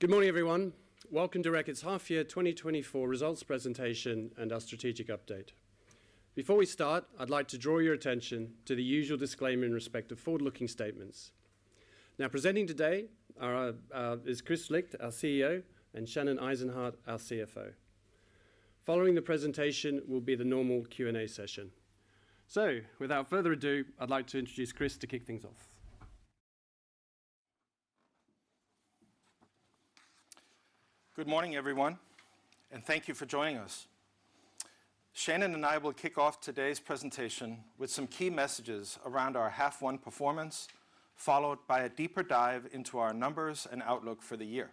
Good morning, everyone. Welcome to Reckitt's Half Year 2024 Results Presentation and our Strategic Update. Before we start, I'd like to draw your attention to the usual disclaimer in respect of forward-looking statements. Now, presenting today is Kris Licht, our CEO, and Shannon Eisenhardt, our CFO. Following the presentation will be the normal Q&A session. So, without further ado, I'd like to introduce Kris to kick things off. Good morning, everyone, and thank you for joining us. Shannon and I will kick off today's presentation with some key messages around our half one performance, followed by a deeper dive into our numbers and outlook for the year.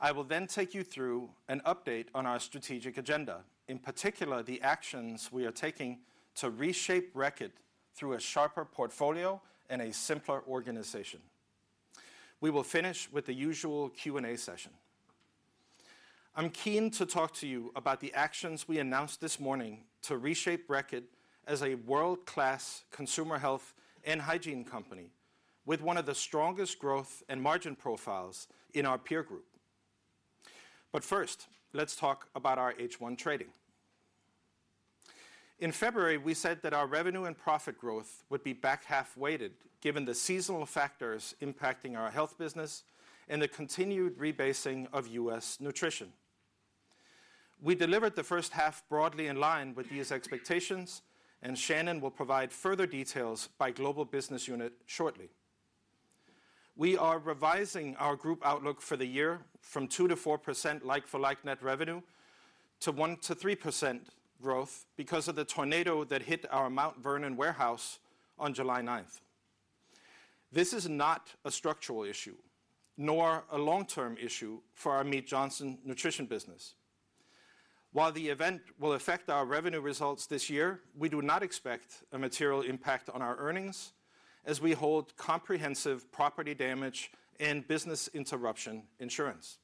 I will then take you through an update on our strategic agenda, in particular, the actions we are taking to reshape Reckitt through a sharper portfolio and a simpler organization. We will finish with the usual Q&A session. I'm keen to talk to you about the actions we announced this morning to reshape Reckitt as a world-class consumer Health and Hygiene company, with one of the strongest growth and margin profiles in our peer group. But first, let's talk about our H1 trading. In February, we said that our revenue and profit growth would be back-half weighted, given the seasonal factors impacting our Health business and the continued rebasing of U.S. Nutrition. We delivered the first half broadly in line with these expectations, and Shannon will provide further details by global business unit shortly. We are revising our group outlook for the year from 2%-4% like-for-like net revenue to 1%-3% growth because of the tornado that hit our Mount Vernon warehouse on July 9th. This is not a structural issue, nor a long-term issue for our Mead Johnson Nutrition business. While the event will affect our revenue results this year, we do not expect a material impact on our earnings, as we hold comprehensive property damage and business interruption insurance.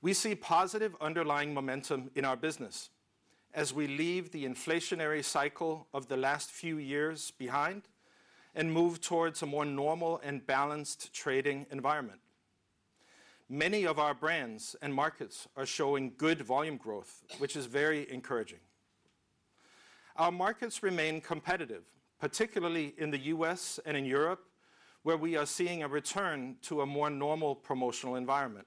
We see positive underlying momentum in our business as we leave the inflationary cycle of the last few years behind and move towards a more normal and balanced trading environment. Many of our brands and markets are showing good volume growth, which is very encouraging. Our markets remain competitive, particularly in the U.S. and in Europe, where we are seeing a return to a more normal promotional environment.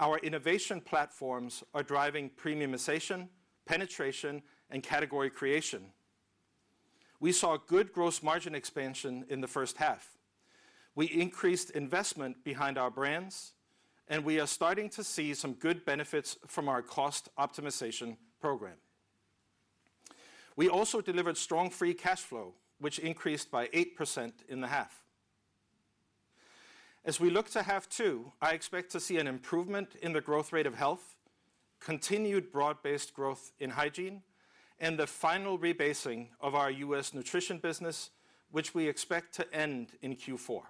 Our innovation platforms are driving premiumization, penetration, and category creation. We saw good gross margin expansion in the first half. We increased investment behind our brands, and we are starting to see some good benefits from our cost optimization program. We also delivered strong free cash flow, which increased by 8% in the half. As we look to half two, I expect to see an improvement in the growth rate of Health, continued broad-based growth in Hygiene, and the final rebasing of our U.S. Nutrition business, which we expect to end in Q4.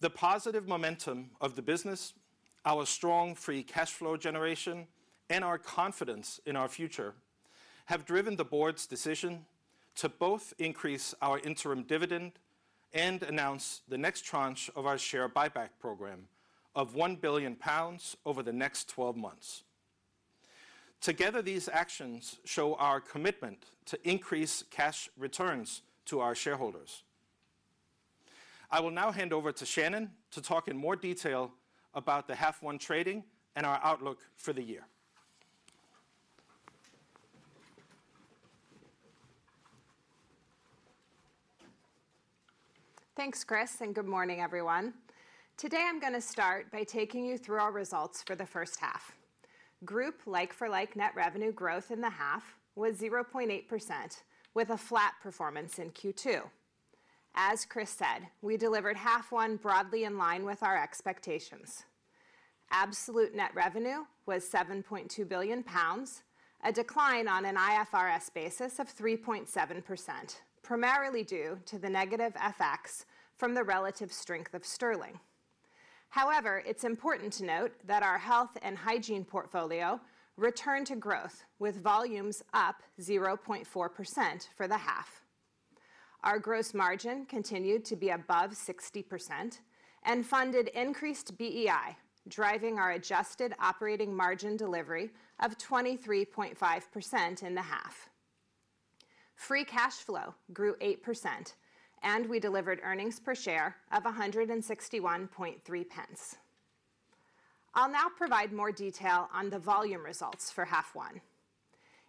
The positive momentum of the business, our strong free cash flow generation, and our confidence in our future, have driven the Board's decision to both increase our interim dividend and announce the next tranche of our share buyback program of 1 billion pounds over the next 12 months. Together, these actions show our commitment to increase cash returns to our shareholders. I will now hand over to Shannon to talk in more detail about the half one trading and our outlook for the year. Thanks, Kris, and good morning, everyone. Today, I'm gonna start by taking you through our results for the first half. Group like-for-like net revenue growth in the half was 0.8%, with a flat performance in Q2. As Kris said, we delivered half one broadly in line with our expectations. Absolute net revenue was 7.2 billion pounds, a decline on an IFRS basis of 3.7%, primarily due to the negative FX from the relative strength of sterling. However, it's important to note that our Health and Hygiene portfolio returned to growth, with volumes up 0.4% for the half. Our gross margin continued to be above 60% and funded increased BEI, driving our adjusted operating margin delivery of 23.5% in the half. Free cash flow grew 8%, and we delivered earnings per share of 1.613. I'll now provide more detail on the volume results for half one.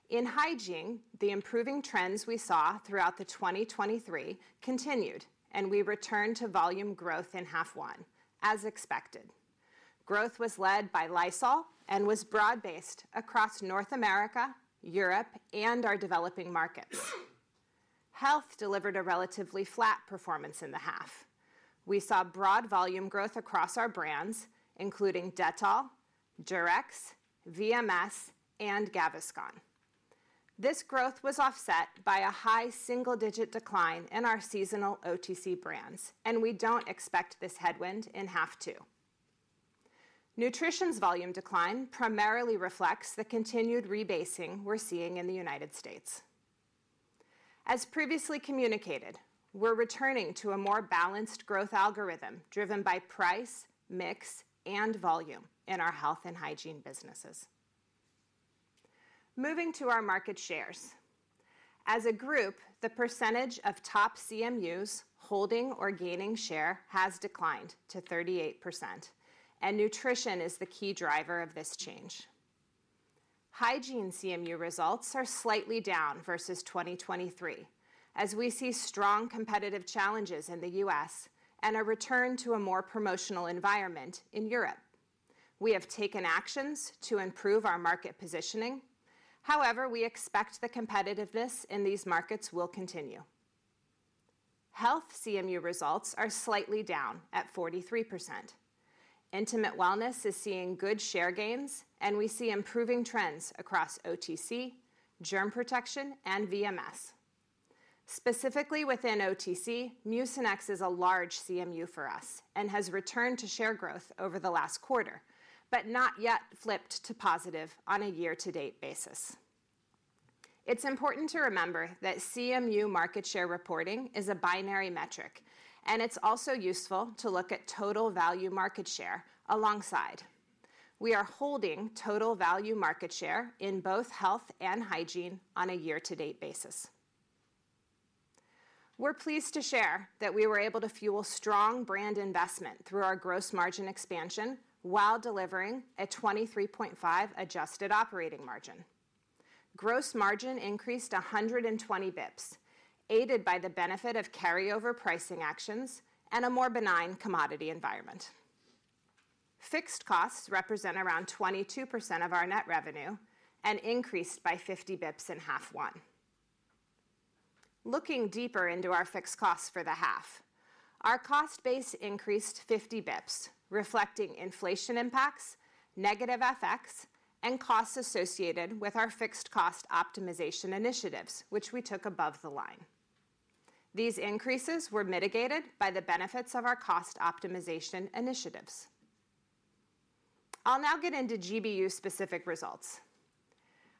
In Hygiene, the improving trends we saw throughout 2023 continued, and we returned to volume growth in half one, as expected. Growth was led by Lysol and was broad-based across North America, Europe, and our developing markets. Health delivered a relatively flat performance in the half. We saw broad volume growth across our brands, including Dettol, Durex, VMS, and Gaviscon. This growth was offset by a high single-digit decline in our seasonal OTC brands, and we don't expect this headwind in half two. Nutrition's volume decline primarily reflects the continued rebasing we're seeing in the United States. As previously communicated, we're returning to a more balanced growth algorithm driven by price, mix, and volume in our health and Hygiene businesses. Moving to our market shares. As a group, the percentage of top CMUs holding or gaining share has declined to 38%, and Nutrition is the key driver of this change. Hygiene CMU results are slightly down versus 2023, as we see strong competitive challenges in the U.S. and a return to a more promotional environment in Europe. We have taken actions to improve our market positioning. However, we expect the competitiveness in these markets will continue. Health CMU results are slightly down at 43%. Intimate Wellness is seeing good share gains, and we see improving trends across OTC, Germ Protection, and VMS. Specifically within OTC, Mucinex is a large CMU for us and has returned to share growth over the last quarter, but not yet flipped to positive on a year-to-date basis. It's important to remember that CMU market share reporting is a binary metric, and it's also useful to look at total value market share alongside. We are holding total value market share in both Health and Hygiene on a year-to-date basis. We're pleased to share that we were able to fuel strong brand investment through our gross margin expansion while delivering a 23.5 adjusted operating margin. Gross margin increased 120 basis points, aided by the benefit of carryover pricing actions and a more benign commodity environment. Fixed costs represent around 22% of our net revenue and increased by 50 basis points in half one. Looking deeper into our fixed costs for the half, our cost base increased 50 basis points, reflecting inflation impacts, negative FX, and costs associated with our fixed cost optimization initiatives, which we took above the line. These increases were mitigated by the benefits of our cost optimization initiatives. I'll now get into GBU-specific results.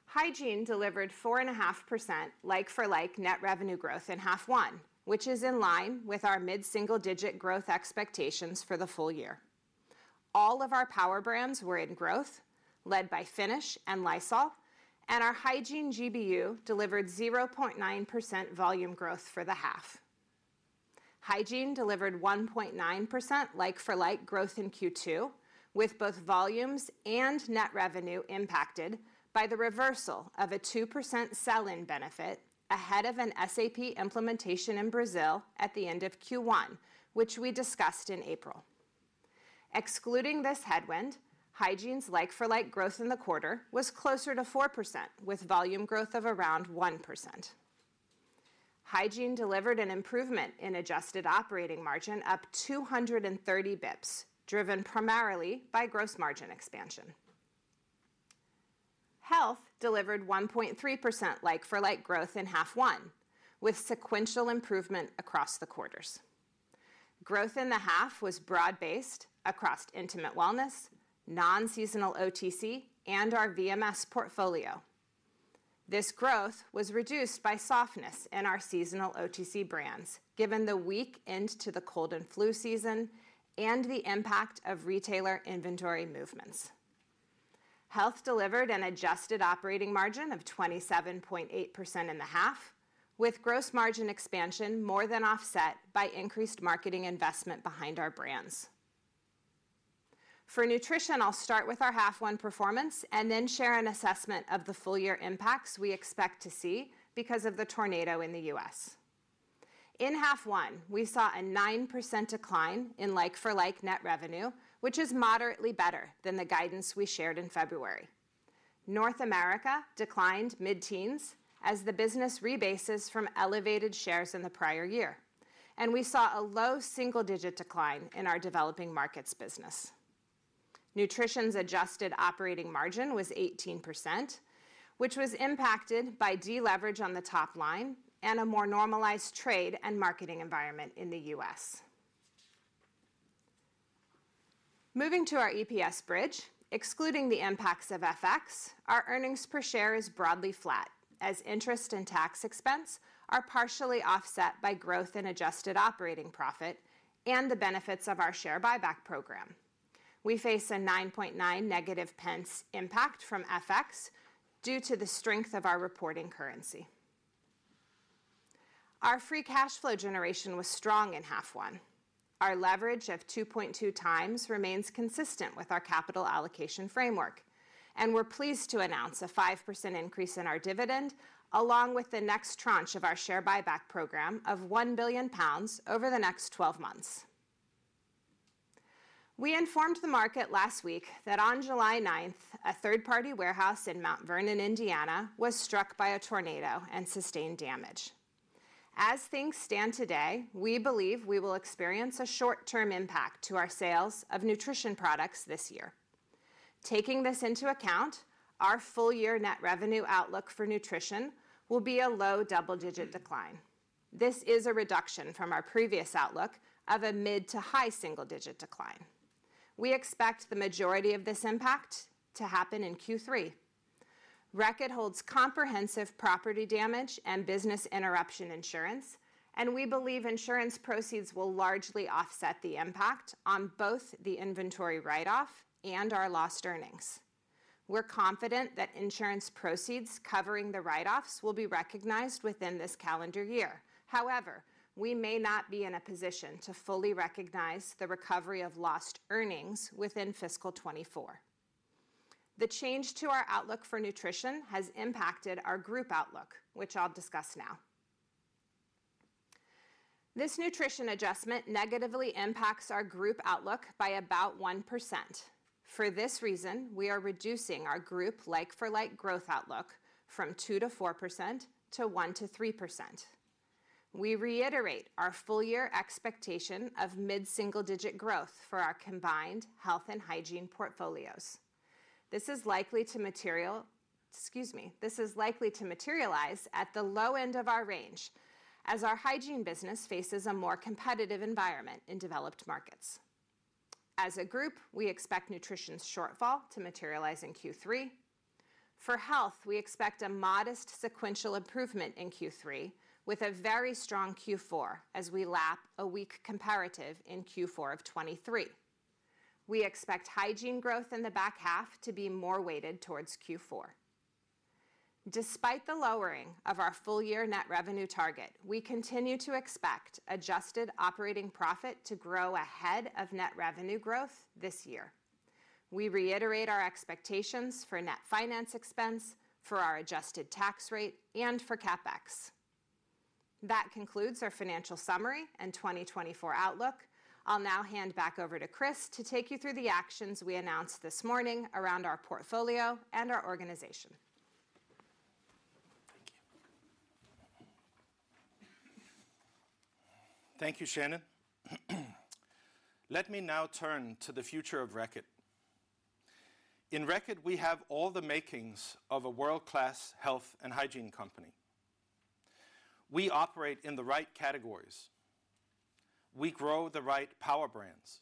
Hygiene delivered 4.5% like-for-like net revenue growth in half one, which is in line with our mid-single-digit growth expectations for the full year. All of our power brands were in growth, led by Finish and Lysol, and our Hygiene GBU delivered 0.9% volume growth for the half. Hygiene delivered 1.9% like-for-like growth in Q2, with both volumes and net revenue impacted by the reversal of a 2% sell-in benefit ahead of an SAP implementation in Brazil at the end of Q1, which we discussed in April. Excluding this headwind, Hygiene's like-for-like growth in the quarter was closer to 4%, with volume growth of around 1%. Hygiene delivered an improvement in adjusted operating margin up 230 basis points, driven primarily by gross margin expansion. Health delivered 1.3% like-for-like growth in half one, with sequential improvement across the quarters. Growth in the half was broad-based across Intimate Wellness, non-seasonal OTC, and our VMS portfolio. This growth was reduced by softness in our seasonal OTC brands, given the weak end to the cold and flu season and the impact of retailer inventory movements. Health delivered an adjusted operating margin of 27.8% in the half, with gross margin expansion more than offset by increased marketing investment behind our brands. For Nutrition, I'll start with our half one performance and then share an assessment of the full year impacts we expect to see because of the tornado in the U.S. In half one, we saw a 9% decline in like-for-like net revenue, which is moderately better than the guidance we shared in February. North America declined mid-teens as the business rebases from elevated shares in the prior year, and we saw a low single-digit decline in our developing markets business. Nutrition's adjusted operating margin was 18%, which was impacted by deleverage on the top line and a more normalized trade and marketing environment in the U.S. Moving to our EPS bridge, excluding the impacts of FX, our earnings per share is broadly flat, as interest and tax expense are partially offset by growth in adjusted operating profit and the benefits of our share buyback program. We face a 9.9 pence negative impact from FX due to the strength of our reporting currency. Our free cash flow generation was strong in half one. Our leverage of 2.2 times remains consistent with our capital allocation framework, and we're pleased to announce a 5% increase in our dividend, along with the next tranche of our share buyback program of 1 billion pounds over the next 12 months. We informed the market last week that on July 9th, a third-party warehouse in Mount Vernon, Indiana, was struck by a tornado and sustained damage. As things stand today, we believe we will experience a short-term impact to our sales of Nutrition products this year. Taking this into account, our full-year net revenue outlook for Nutrition will be a low double-digit decline. This is a reduction from our previous outlook of a mid to high single-digit decline. We expect the majority of this impact to happen in Q3. Reckitt holds comprehensive property damage and business interruption insurance, and we believe insurance proceeds will largely offset the impact on both the inventory write-off and our lost earnings. We're confident that insurance proceeds covering the write-offs will be recognized within this calendar year. However, we may not be in a position to fully recognize the recovery of lost earnings within fiscal 2024. The change to our outlook for Nutrition has impacted our group outlook, which I'll discuss now. This Nutrition adjustment negatively impacts our group outlook by about 1%. For this reason, we are reducing our group like-for-like growth outlook from 2%-4% to 1%-3%. We reiterate our full-year expectation of mid-single-digit growth for our combined Health and Hygiene portfolios. This is likely to material, excuse me, this is likely to materialize at the low end of our range, as our Hygiene business faces a more competitive environment in developed markets. As a group, we expect Nutrition's shortfall to materialize in Q3. For Health, we expect a modest sequential improvement in Q3, with a very strong Q4 as we lap a weak comparative in Q4 of 2023. We expect Hygiene growth in the back half to be more weighted towards Q4. Despite the lowering of our full-year net revenue target, we continue to expect adjusted operating profit to grow ahead of net revenue growth this year. We reiterate our expectations for net finance expense, for our adjusted tax rate, and for CapEx. That concludes our financial summary and 2024 outlook. I'll now hand back over to Kris to take you through the actions we announced this morning around our portfolio and our organization. Thank you. Thank you, Shannon. Let me now turn to the future of Reckitt. In Reckitt, we have all the makings of a world-class Health and Hygiene company. We operate in the right categories, we grow the right power brands,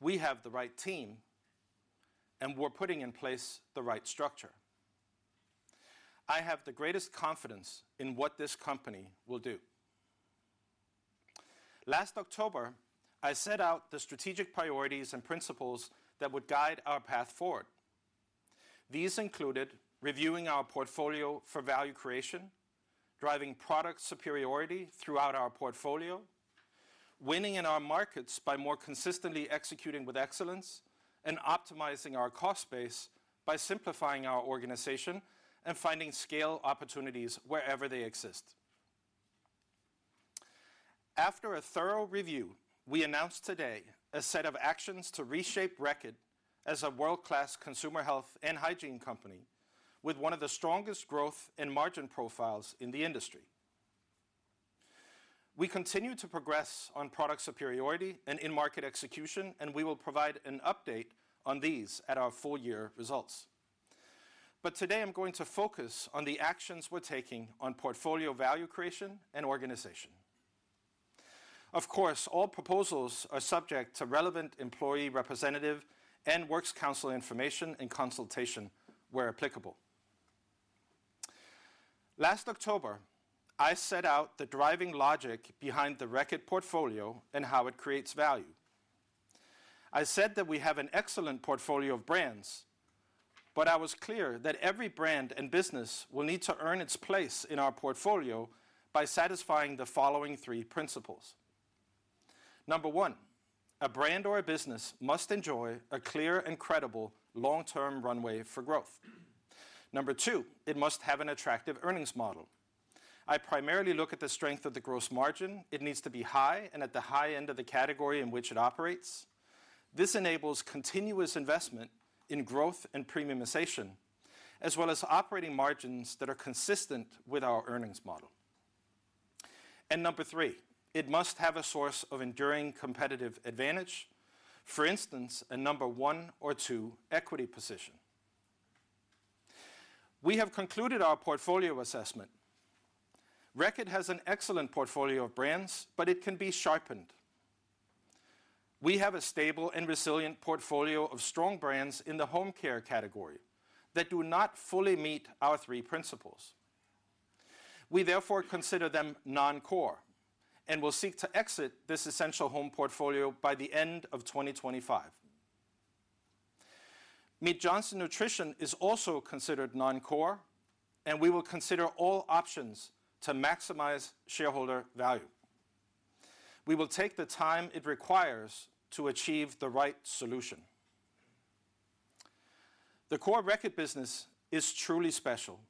we have the right team, and we're putting in place the right structure. I have the greatest confidence in what this company will do. Last October, I set out the strategic priorities and principles that would guide our path forward. These included reviewing our portfolio for value creation, driving product superiority throughout our portfolio, winning in our markets by more consistently executing with excellence, and optimizing our cost base by simplifying our organization and finding scale opportunities wherever they exist. After a thorough review, we announce today a set of actions to reshape Reckitt as a world-class consumer Health and Hygiene company with one of the strongest growth and margin profiles in the industry. We continue to progress on product superiority and in-market execution, and we will provide an update on these at our full-year results. But today, I'm going to focus on the actions we're taking on portfolio value creation and organization. Of course, all proposals are subject to relevant employee representative and works council information and consultation where applicable. Last October, I set out the driving logic behind the Reckitt portfolio and how it creates value. I said that we have an excellent portfolio of brands, but I was clear that every brand and business will need to earn its place in our portfolio by satisfying the following three principles. Number 1, a brand or a business must enjoy a clear and credible long-term runway for growth. Number 2, it must have an attractive earnings model. I primarily look at the strength of the gross margin. It needs to be high and at the high end of the category in which it operates. This enables continuous investment in growth and premiumization, as well as operating margins that are consistent with our earnings model. Number 3, it must have a source of enduring competitive advantage, for instance, a number 1 or 2 equity position. We have concluded our portfolio assessment. Reckitt has an excellent portfolio of brands, but it can be sharpened. We have a stable and resilient portfolio of strong brands in the home care category that do not fully meet our three principles. We therefore consider them non-core and will seek to exit this Essential Home portfolio by the end of 2025. Mead Johnson Nutrition is also considered non-core, and we will consider all options to maximize shareholder value. We will take the time it requires to achieve the right solution. The core Reckitt business is truly special,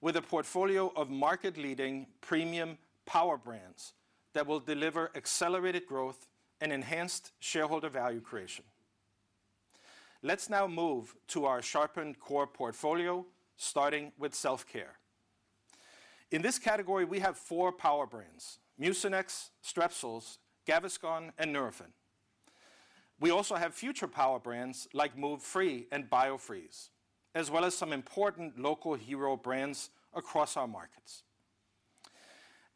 with a portfolio of market-leading premium power brands that will deliver accelerated growth and enhanced shareholder value creation. Let's now move to our sharpened core portfolio, starting with Self-Care. In this category, we have four power brands: Mucinex, Strepsils, Gaviscon, and Nurofen. We also have future power brands like Move Free and Biofreeze, as well as some important local hero brands across our markets.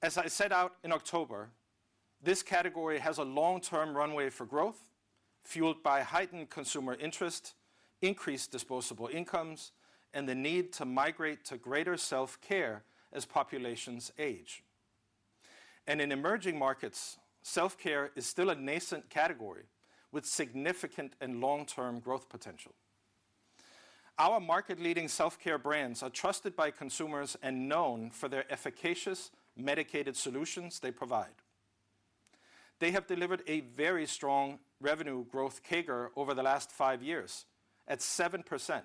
As I set out in October, this category has a long-term runway for growth, fueled by heightened consumer interest, increased disposable incomes, and the need to migrate to greater self-care as populations age. In emerging markets, self-care is still a nascent category with significant and long-term growth potential. Our market-leading self-care brands are trusted by consumers and known for their efficacious medicated solutions they provide. They have delivered a very strong revenue growth CAGR over the last five years at 7%,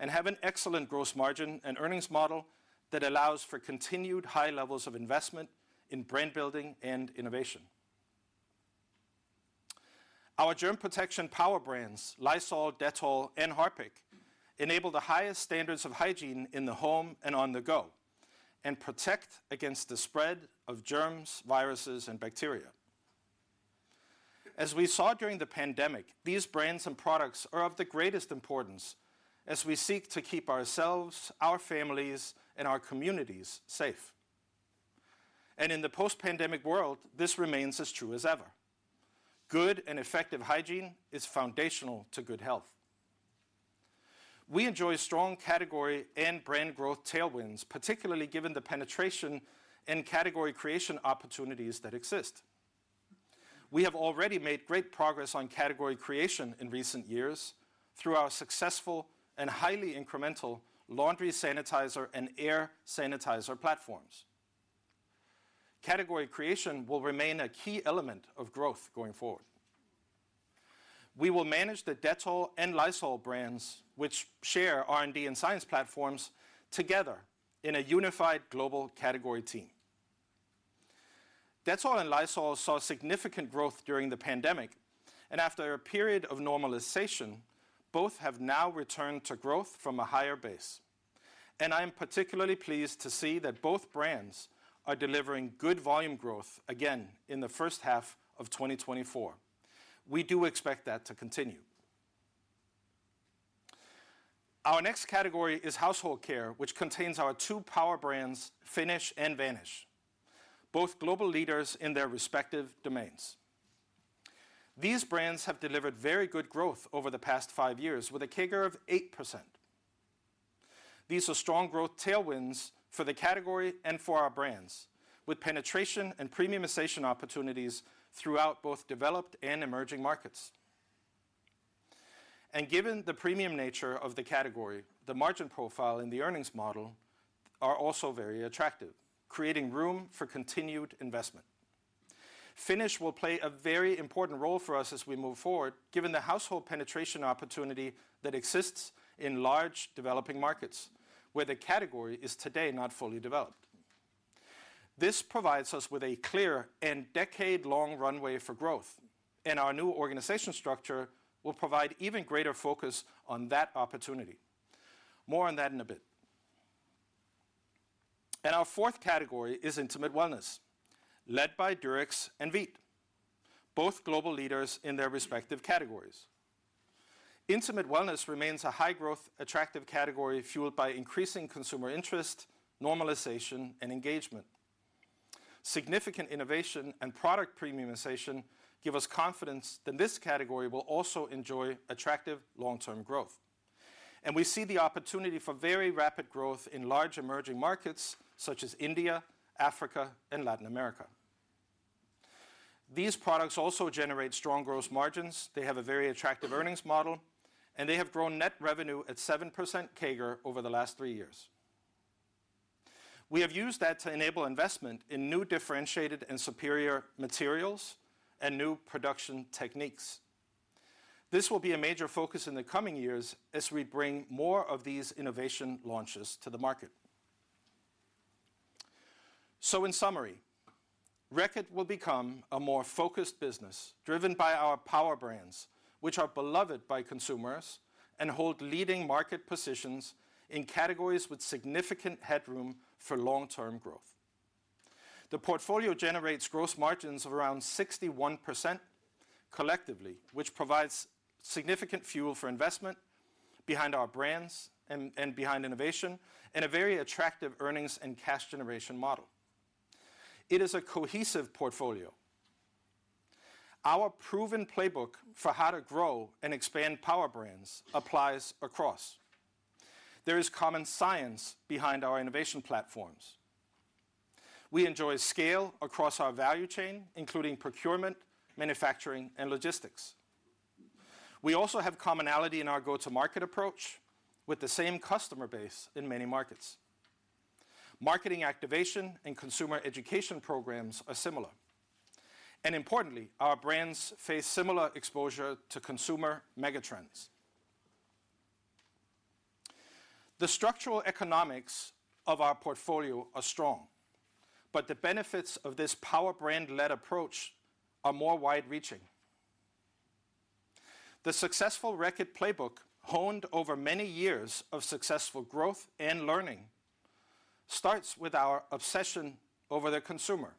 and have an excellent gross margin and earnings model that allows for continued high levels of investment in brand building and innovation. Our germ protection power brands, Lysol, Dettol, and Harpic, enable the highest standards of Hygiene in the home and on the go, and protect against the spread of germs, viruses, and bacteria. As we saw during the pandemic, these brands and products are of the greatest importance as we seek to keep ourselves, our families, and our communities safe. In the post-pandemic world, this remains as true as ever. Good and effective hygiene is foundational to good Health. We enjoy strong category and brand growth tailwinds, particularly given the penetration and category creation opportunities that exist. We have already made great progress on category creation in recent years through our successful and highly incremental laundry sanitizer and air sanitizer platforms. Category creation will remain a key element of growth going forward. We will manage the Dettol and Lysol brands, which share R&D and science platforms, together in a unified global category team. Dettol and Lysol saw significant growth during the pandemic, and after a period of normalization, both have now returned to growth from a higher base, and I am particularly pleased to see that both brands are delivering good volume growth again in the first half of 2024. We do expect that to continue. Our next category is Household Care, which contains our two power brands, Finish and Vanish, both global leaders in their respective domains. These brands have delivered very good growth over the past five years with a CAGR of 8%. These are strong growth tailwinds for the category and for our brands, with penetration and premiumization opportunities throughout both developed and emerging markets. Given the premium nature of the category, the margin profile and the earnings model are also very attractive, creating room for continued investment. Finish will play a very important role for us as we move forward, given the household penetration opportunity that exists in large developing markets, where the category is today not fully developed. This provides us with a clear and decade-long runway for growth, and our new organizational structure will provide even greater focus on that opportunity. More on that in a bit. Our fourth category is Intimate Wellness, led by Durex and Veet, both global leaders in their respective categories. Intimate Wellness remains a high growth, attractive category, fueled by increasing consumer interest, normalization, and engagement. Significant innovation and product premiumization give us confidence that this category will also enjoy attractive long-term growth, and we see the opportunity for very rapid growth in large emerging markets such as India, Africa, and Latin America. These products also generate strong gross margins, they have a very attractive earnings model, and they have grown net revenue at 7% CAGR over the last three years. We have used that to enable investment in new differentiated and superior materials and new production techniques. This will be a major focus in the coming years as we bring more of these innovation launches to the market. So in summary, Reckitt will become a more focused business, driven by our power brands, which are beloved by consumers and hold leading market positions in categories with significant headroom for long-term growth. The portfolio generates gross margins of around 61% collectively, which provides significant fuel for investment behind our brands and behind innovation, and a very attractive earnings and cash generation model. It is a cohesive portfolio. Our proven playbook for how to grow and expand power brands applies across. There is common science behind our innovation platforms. We enjoy scale across our value chain, including procurement, manufacturing, and logistics. We also have commonality in our go-to-market approach with the same customer base in many markets. Marketing activation and consumer education programs are similar, and importantly, our brands face similar exposure to consumer megatrends. The structural economics of our portfolio are strong, but the benefits of this power brand-led approach are more wide-reaching. The successful Reckitt playbook, honed over many years of successful growth and learning, starts with our obsession over the consumer,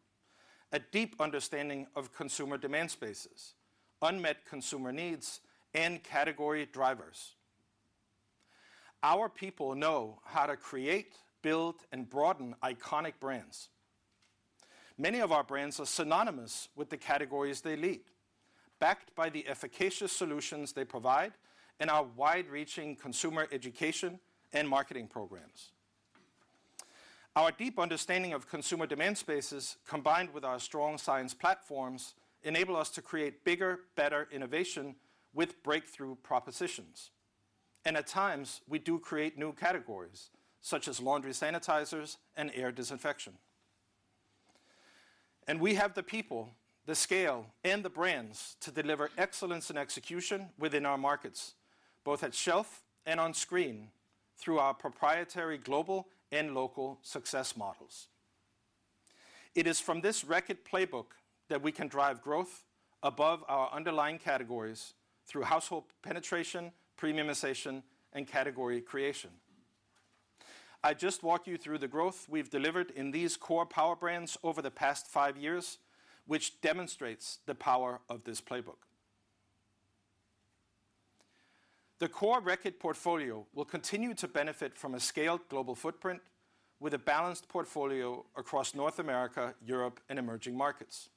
a deep understanding of consumer demand spaces, unmet consumer needs, and category drivers. Our people know how to create, build, and broaden iconic brands. Many of our brands are synonymous with the categories they lead, backed by the efficacious solutions they provide and our wide-reaching consumer education and marketing programs. Our deep understanding of consumer demand spaces, combined with our strong science platforms, enable us to create bigger, better innovation with breakthrough propositions. At times, we do create new categories, such as laundry sanitizers and air disinfection. We have the people, the scale, and the brands to deliver excellence in execution within our markets, both at shelf and on screen, through our proprietary global and local success models. It is from this Reckitt playbook that we can drive growth above our underlying categories through household penetration, premiumization, and category creation. I just walked you through the growth we've delivered in these core power brands over the past five years, which demonstrates the power of this playbook. The core Reckitt portfolio will continue to benefit from a scaled global footprint with a balanced portfolio across North America, Europe, and emerging markets.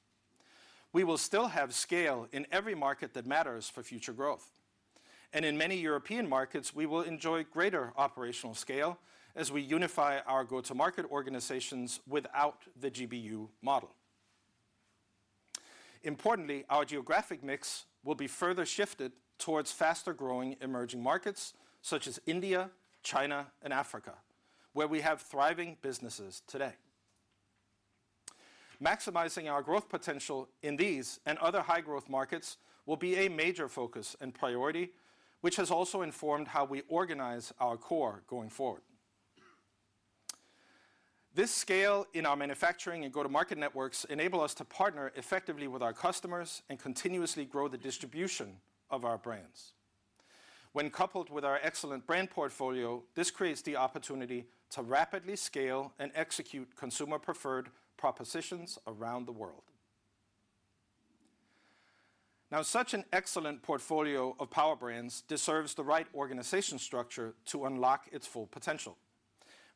We will still have scale in every market that matters for future growth, and in many European markets, we will enjoy greater operational scale as we unify our go-to-market organizations without the GBU model. Importantly, our geographic mix will be further shifted towards faster-growing emerging markets, such as India, China, and Africa, where we have thriving businesses today. Maximizing our growth potential in these and other high-growth markets will be a major focus and priority, which has also informed how we organize our core going forward. This scale in our manufacturing and go-to-market networks enable us to partner effectively with our customers and continuously grow the distribution of our brands. When coupled with our excellent brand portfolio, this creates the opportunity to rapidly scale and execute consumer-preferred propositions around the world. Now, such an excellent portfolio of power brands deserves the right organization structure to unlock its full potential.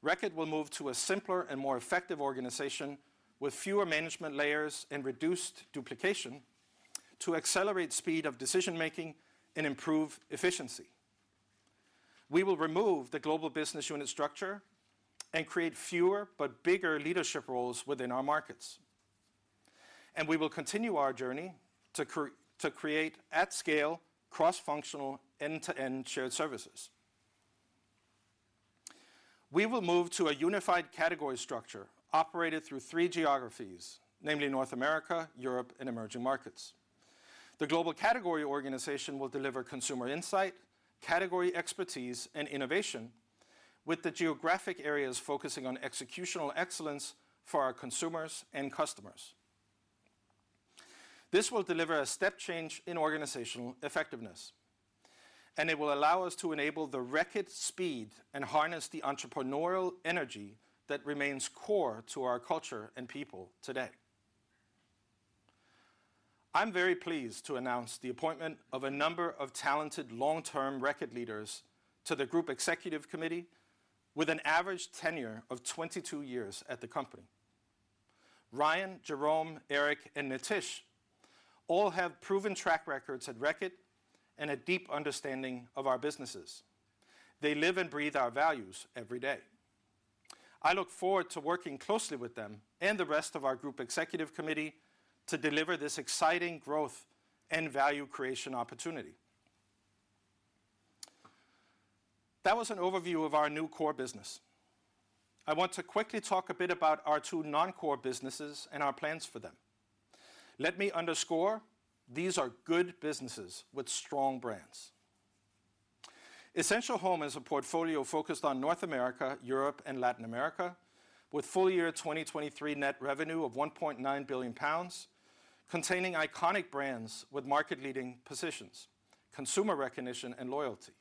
Reckitt will move to a simpler and more effective organization with fewer management layers and reduced duplication to accelerate speed of decision-making and improve efficiency. We will remove the global business unit structure and create fewer but bigger leadership roles within our markets, and we will continue our journey to create at scale, cross-functional, end-to-end shared services. We will move to a unified category structure operated through three geographies, namely North America, Europe, and emerging markets. The global category organization will deliver consumer insight, category expertise, and innovation, with the geographic areas focusing on executional excellence for our consumers and customers. This will deliver a step change in organizational effectiveness, and it will allow us to enable the Reckitt speed and harness the entrepreneurial energy that remains core to our culture and people today. I'm very pleased to announce the appointment of a number of talented long-term Reckitt leaders to the Group Executive Committee, with an average tenure of 22 years at the company. Ryan, Jerome, Eric, and Nitish all have proven track records at Reckitt and a deep understanding of our businesses. They live and breathe our values every day. I look forward to working closely with them and the rest of our Group Executive Committee to deliver this exciting growth and value creation opportunity. That was an overview of our new core business. I want to quickly talk a bit about our two non-core businesses and our plans for them. Let me underscore, these are good businesses with strong brands. Essential Home is a portfolio focused on North America, Europe, and Latin America, with full year 2023 net revenue of 1.9 billion pounds, containing iconic brands with market-leading positions, consumer recognition, and loyalty,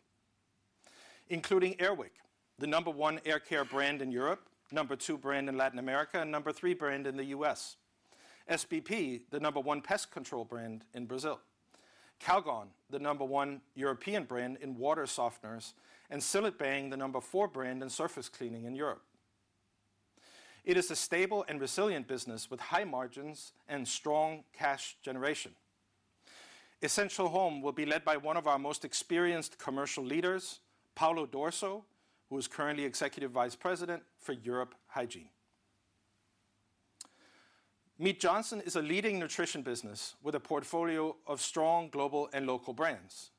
including Air Wick, the number one air care brand in Europe, number two brand in Latin America, and number three brand in the U.S. SBP, the number one pest control brand in Brazil. Calgon, the number one European brand in water softeners. And Cillit Bang, the number four brand in surface cleaning in Europe. It is a stable and resilient business with high margins and strong cash generation. Essential Home will be led by one of our most experienced commercial leaders, Paolo D'Orso, who is currently Executive Vice President for Europe Hygiene. Mead Johnson is a leading Nutrition business with a portfolio of strong global and local brands,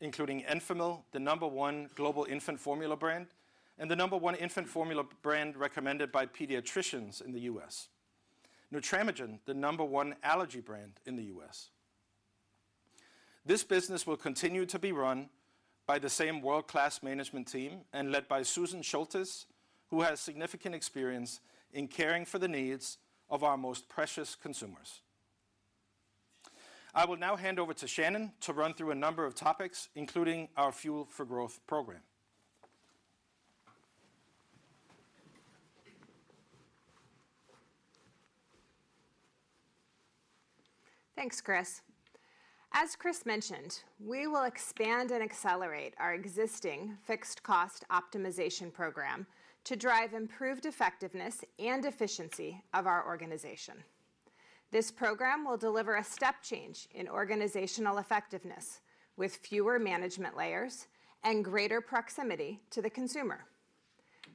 including Enfamil, the number one global infant formula brand and the number one infant formula brand recommended by pediatricians in the U.S. Nutramigen, the number one allergy brand in the U.S. This business will continue to be run by the same world-class management team and led by Susan Sholtis, who has significant experience in caring for the needs of our most precious consumers. I will now hand over to Shannon to run through a number of topics, including our Fuel for Growth program. Thanks, Kris. As Kris mentioned, we will expand and accelerate our existing fixed cost optimization program to drive improved effectiveness and efficiency of our organization. This program will deliver a step change in organizational effectiveness, with fewer management layers and greater proximity to the consumer.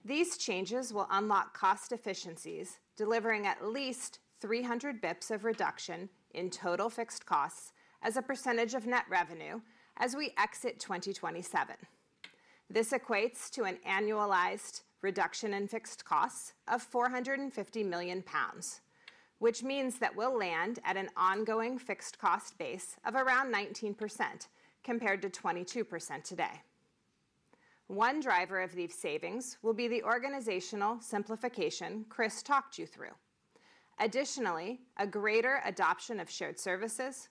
These changes will unlock cost efficiencies, delivering at least 300 basis points of reduction in total fixed costs as a percentage of net revenue as we exit 2027. This equates to an annualized reduction in fixed costs of 450 million pounds, which means that we'll land at an ongoing fixed cost base of around 19%, compared to 22% today. One driver of these savings will be the organizational simplification Kris talked you through. Additionally, a greater adoption of shared services,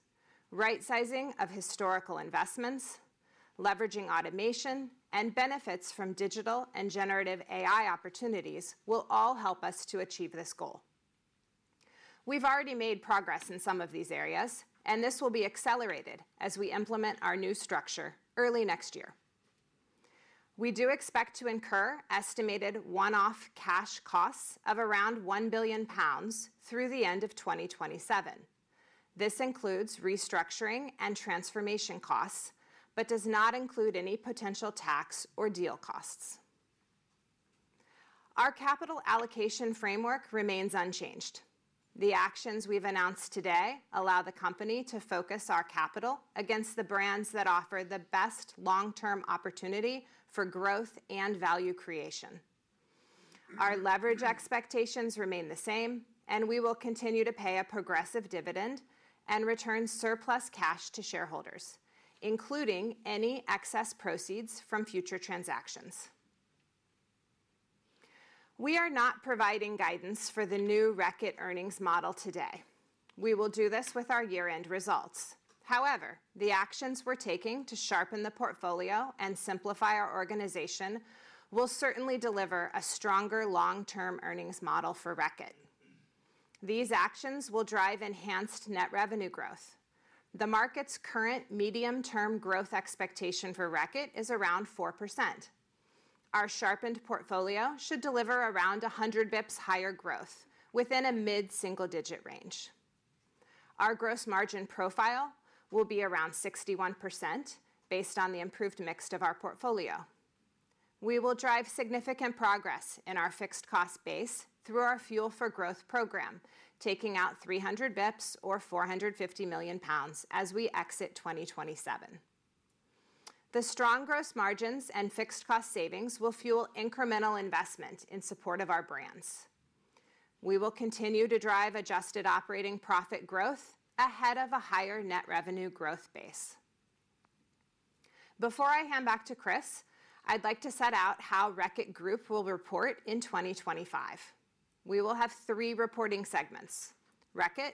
right-sizing of historical investments, leveraging automation, and benefits from digital and generative AI opportunities will all help us to achieve this goal. We've already made progress in some of these areas, and this will be accelerated as we implement our new structure early next year. We do expect to incur estimated one-off cash costs of around 1 billion pounds through the end of 2027. This includes restructuring and transformation costs, but does not include any potential tax or deal costs. Our capital allocation framework remains unchanged. The actions we've announced today allow the company to focus our capital against the brands that offer the best long-term opportunity for growth and value creation. Our leverage expectations remain the same, and we will continue to pay a progressive dividend and return surplus cash to shareholders, including any excess proceeds from future transactions. We are not providing guidance for the new Reckitt earnings model today. We will do this with our year-end results. However, the actions we're taking to sharpen the portfolio and simplify our organization will certainly deliver a stronger long-term earnings model for Reckitt. These actions will drive enhanced net revenue growth. The market's current medium-term growth expectation for Reckitt is around 4%. Our sharpened portfolio should deliver around 100 basis points higher growth within a mid-single-digit range. Our gross margin profile will be around 61%, based on the improved mix of our portfolio. We will drive significant progress in our fixed cost base through our Fuel for Growth program, taking out 300 basis points or 450 million pounds as we exit 2027. The strong gross margins and fixed cost savings will fuel incremental investment in support of our brands. We will continue to drive adjusted operating profit growth ahead of a higher net revenue growth base. Before I hand back to Kris, I'd like to set out how Reckitt Group will report in 2025. We will have three reporting segments: Reckitt,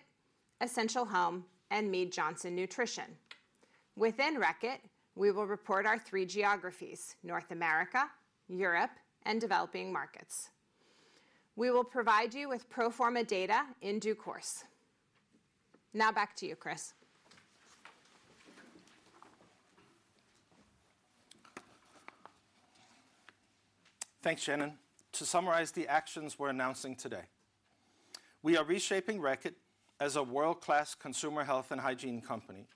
Essential Home, and Mead Johnson Nutrition. Within Reckitt, we will report our three geographies: North America, Europe, and developing markets. We will provide you with pro forma data in due course. Now back to you, Kris. Thanks, Shannon. To summarize the actions we're announcing today, we are reshaping Reckitt as a world-class consumer Health and Hygiene company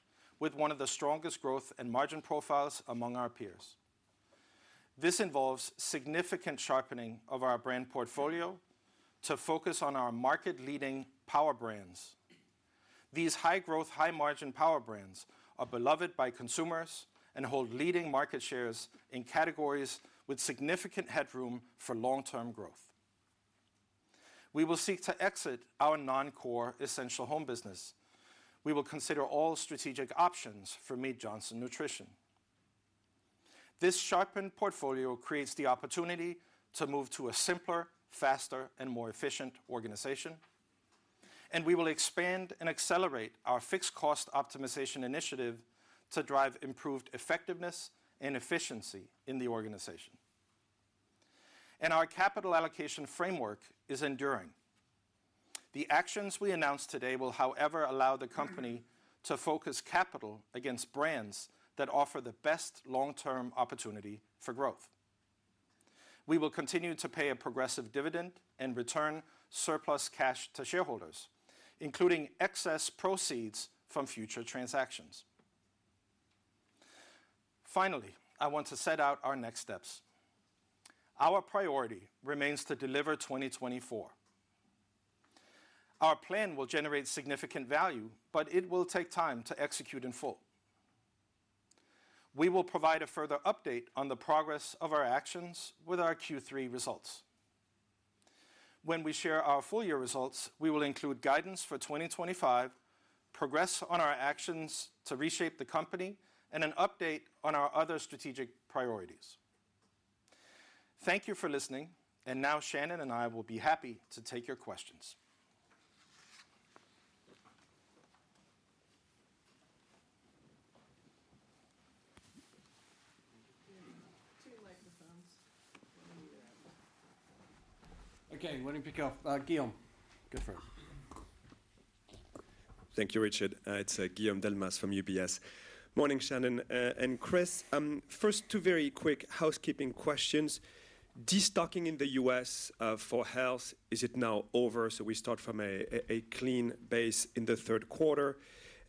with one of the strongest growth and margin profiles among our peers. This involves significant sharpening of our brand portfolio to focus on our market-leading power brands. These high-growth, high-margin power brands are beloved by consumers and hold leading market shares in categories with significant headroom for long-term growth. We will seek to exit our non-core Essential Home business. We will consider all strategic options for Mead Johnson Nutrition. This sharpened portfolio creates the opportunity to move to a simpler, faster, and more efficient organization, and we will expand and accelerate our fixed cost optimization initiative to drive improved effectiveness and efficiency in the organization. Our capital allocation framework is enduring. The actions we announced today will, however, allow the company to focus capital against brands that offer the best long-term opportunity for growth. We will continue to pay a progressive dividend and return surplus cash to shareholders, including excess proceeds from future transactions. Finally, I want to set out our next steps. Our priority remains to deliver 2024. Our plan will generate significant value, but it will take time to execute in full. We will provide a further update on the progress of our actions with our Q3 results. When we share our full year results, we will include guidance for 2025, progress on our actions to reshape the company, and an update on our other strategic priorities. Thank you for listening, and now Shannon and I will be happy to take your questions. Two microphones. Okay, why don't you pick off, Guillaume, go first. Thank you, Richard. It's Guillaume Delmas from UBS. Morning, Shannon, and Kris. First, two very quick housekeeping questions. Destocking in the U.S., for Health, is it now over, so we start from a clean base in the third quarter?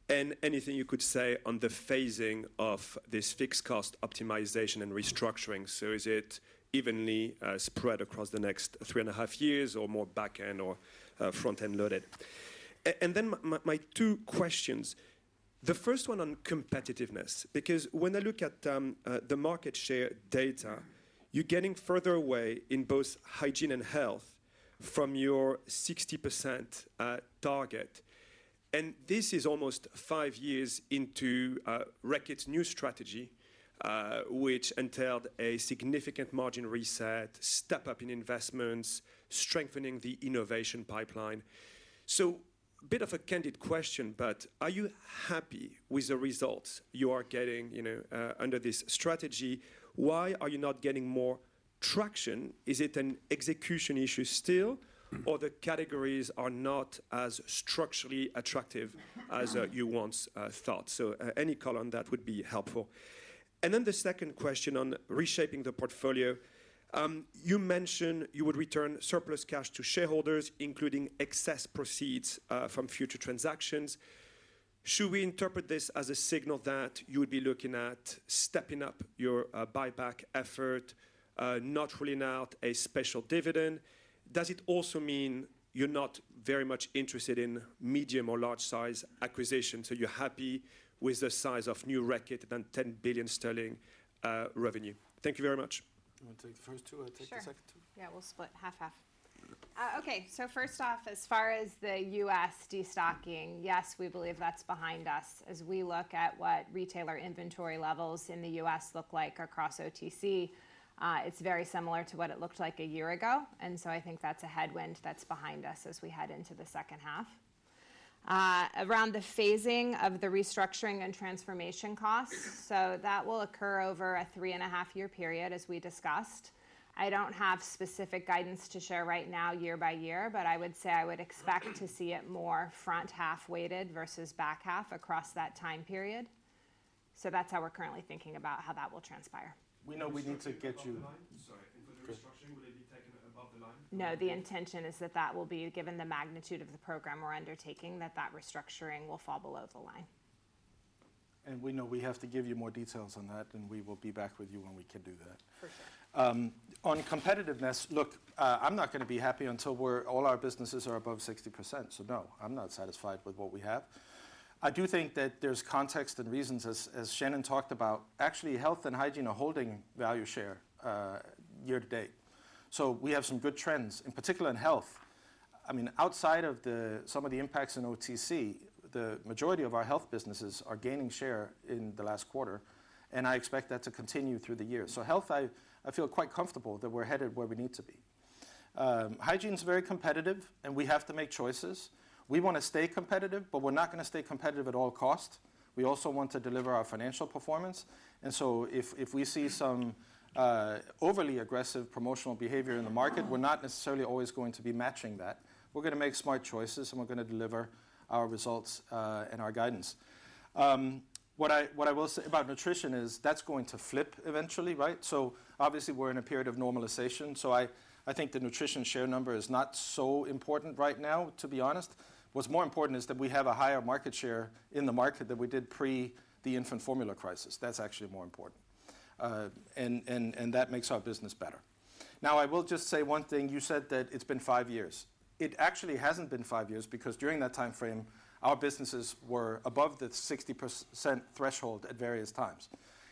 And anything you could say on the phasing of this fixed cost optimization and restructuring? So is it evenly spread across the next three and a half years, or more back-end or front-end loaded? And then my two questions: the first one on competitiveness, because when I look at the market share data, you're getting further away in both Hygiene and Health from your 60% target. And this is almost five years into Reckitt's new strategy, which entailed a significant margin reset, step up in investments, strengthening the innovation pipeline. So, bit of a candid question, but are you happy with the results you are getting, you know, under this strategy? Why are you not getting more traction? Is it an execution issue still? Mm Or the categories are not as structurally attractive as, you once, thought? So, any color on that would be helpful. And then the second question on reshaping the portfolio. You mentioned you would return surplus cash to shareholders, including excess proceeds, from future transactions. Should we interpret this as a signal that you would be looking at stepping up your, buyback effort, not ruling out a special dividend? Does it also mean you're not very much interested in medium or large-size acquisitions, so you're happy with the size of new Reckitt and 10 billion sterling revenue? Thank you very much. You want to take the first two, I'll take the second two? Sure. Yeah, we'll split 50/50. Okay. So first off, as far as the U.S. destocking, yes, we believe that's behind us. As we look at what retailer inventory levels in the U.S. look like across OTC, it's very similar to what it looked like a year ago, and so I think that's a headwind that's behind us as we head into the second half. Around the phasing of the restructuring and transformation costs, so that will occur over a 3.5-year period, as we discussed. I don't have specific guidance to share right now, year by year, but I would say I would expect to see it more front-half weighted versus back half across that time period. So that's how we're currently thinking about how that will transpire. We know we need to get you. Sorry, and for the restructuring, will it be taken above the line? No, the intention is that that will be, given the magnitude of the program we're undertaking, that that restructuring will fall below the line. We know we have to give you more details on that, and we will be back with you when we can do that. For sure. On competitiveness, look, I'm not gonna be happy until all our businesses are above 60%. So no, I'm not satisfied with what we have. I do think that there's context and reasons as Shannon talked about, actually, Health and Hygiene are holding value share year to date. So we have some good trends, in particular in Health. I mean, outside of the some of the impacts in OTC, the majority of our Health businesses are gaining share in the last quarter, and I expect that to continue through the year. So Health, I feel quite comfortable that we're headed where we need to be. Hygiene's very competitive, and we have to make choices. We wanna stay competitive, but we're not gonna stay competitive at all costs. We also want to deliver our financial performance, and so if, if we see some overly aggressive promotional behavior in the market, we're not necessarily always going to be matching that. We're gonna make smart choices, and we're gonna deliver our results, and our guidance. What I, what I will say about Nutrition is that's going to flip eventually, right? So obviously, we're in a period of normalization, so I, I think the Nutrition share number is not so important right now, to be honest. What's more important is that we have a higher market share in the market than we did pre the infant formula crisis. That's actually more important. And, and, and that makes our business better. Now, I will just say one thing. You said that it's been five years. It actually hasn't been five years because during that timeframe, our businesses were above the 60% threshold at various times.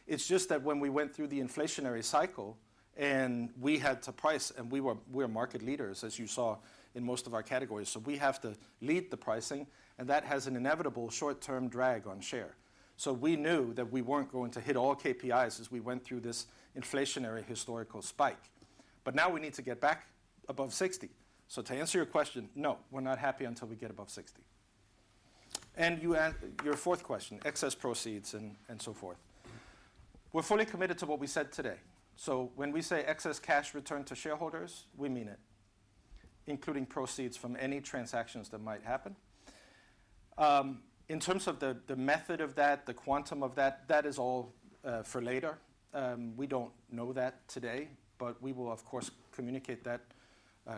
It's just that when we went through the inflationary cycle and we had to price, and we're market leaders, as you saw in most of our categories, so we have to lead the pricing, and that has an inevitable short-term drag on share. So we knew that we weren't going to hit all KPIs as we went through this inflationary historical spike, but now we need to get back above 60. So to answer your question, no, we're not happy until we get above 60. You asked your fourth question, excess proceeds and so forth. We're fully committed to what we said today, so when we say excess cash return to shareholders, we mean it, including proceeds from any transactions that might happen. In terms of the method of that, the quantum of that, that is all for later. We don't know that today, but we will, of course, communicate that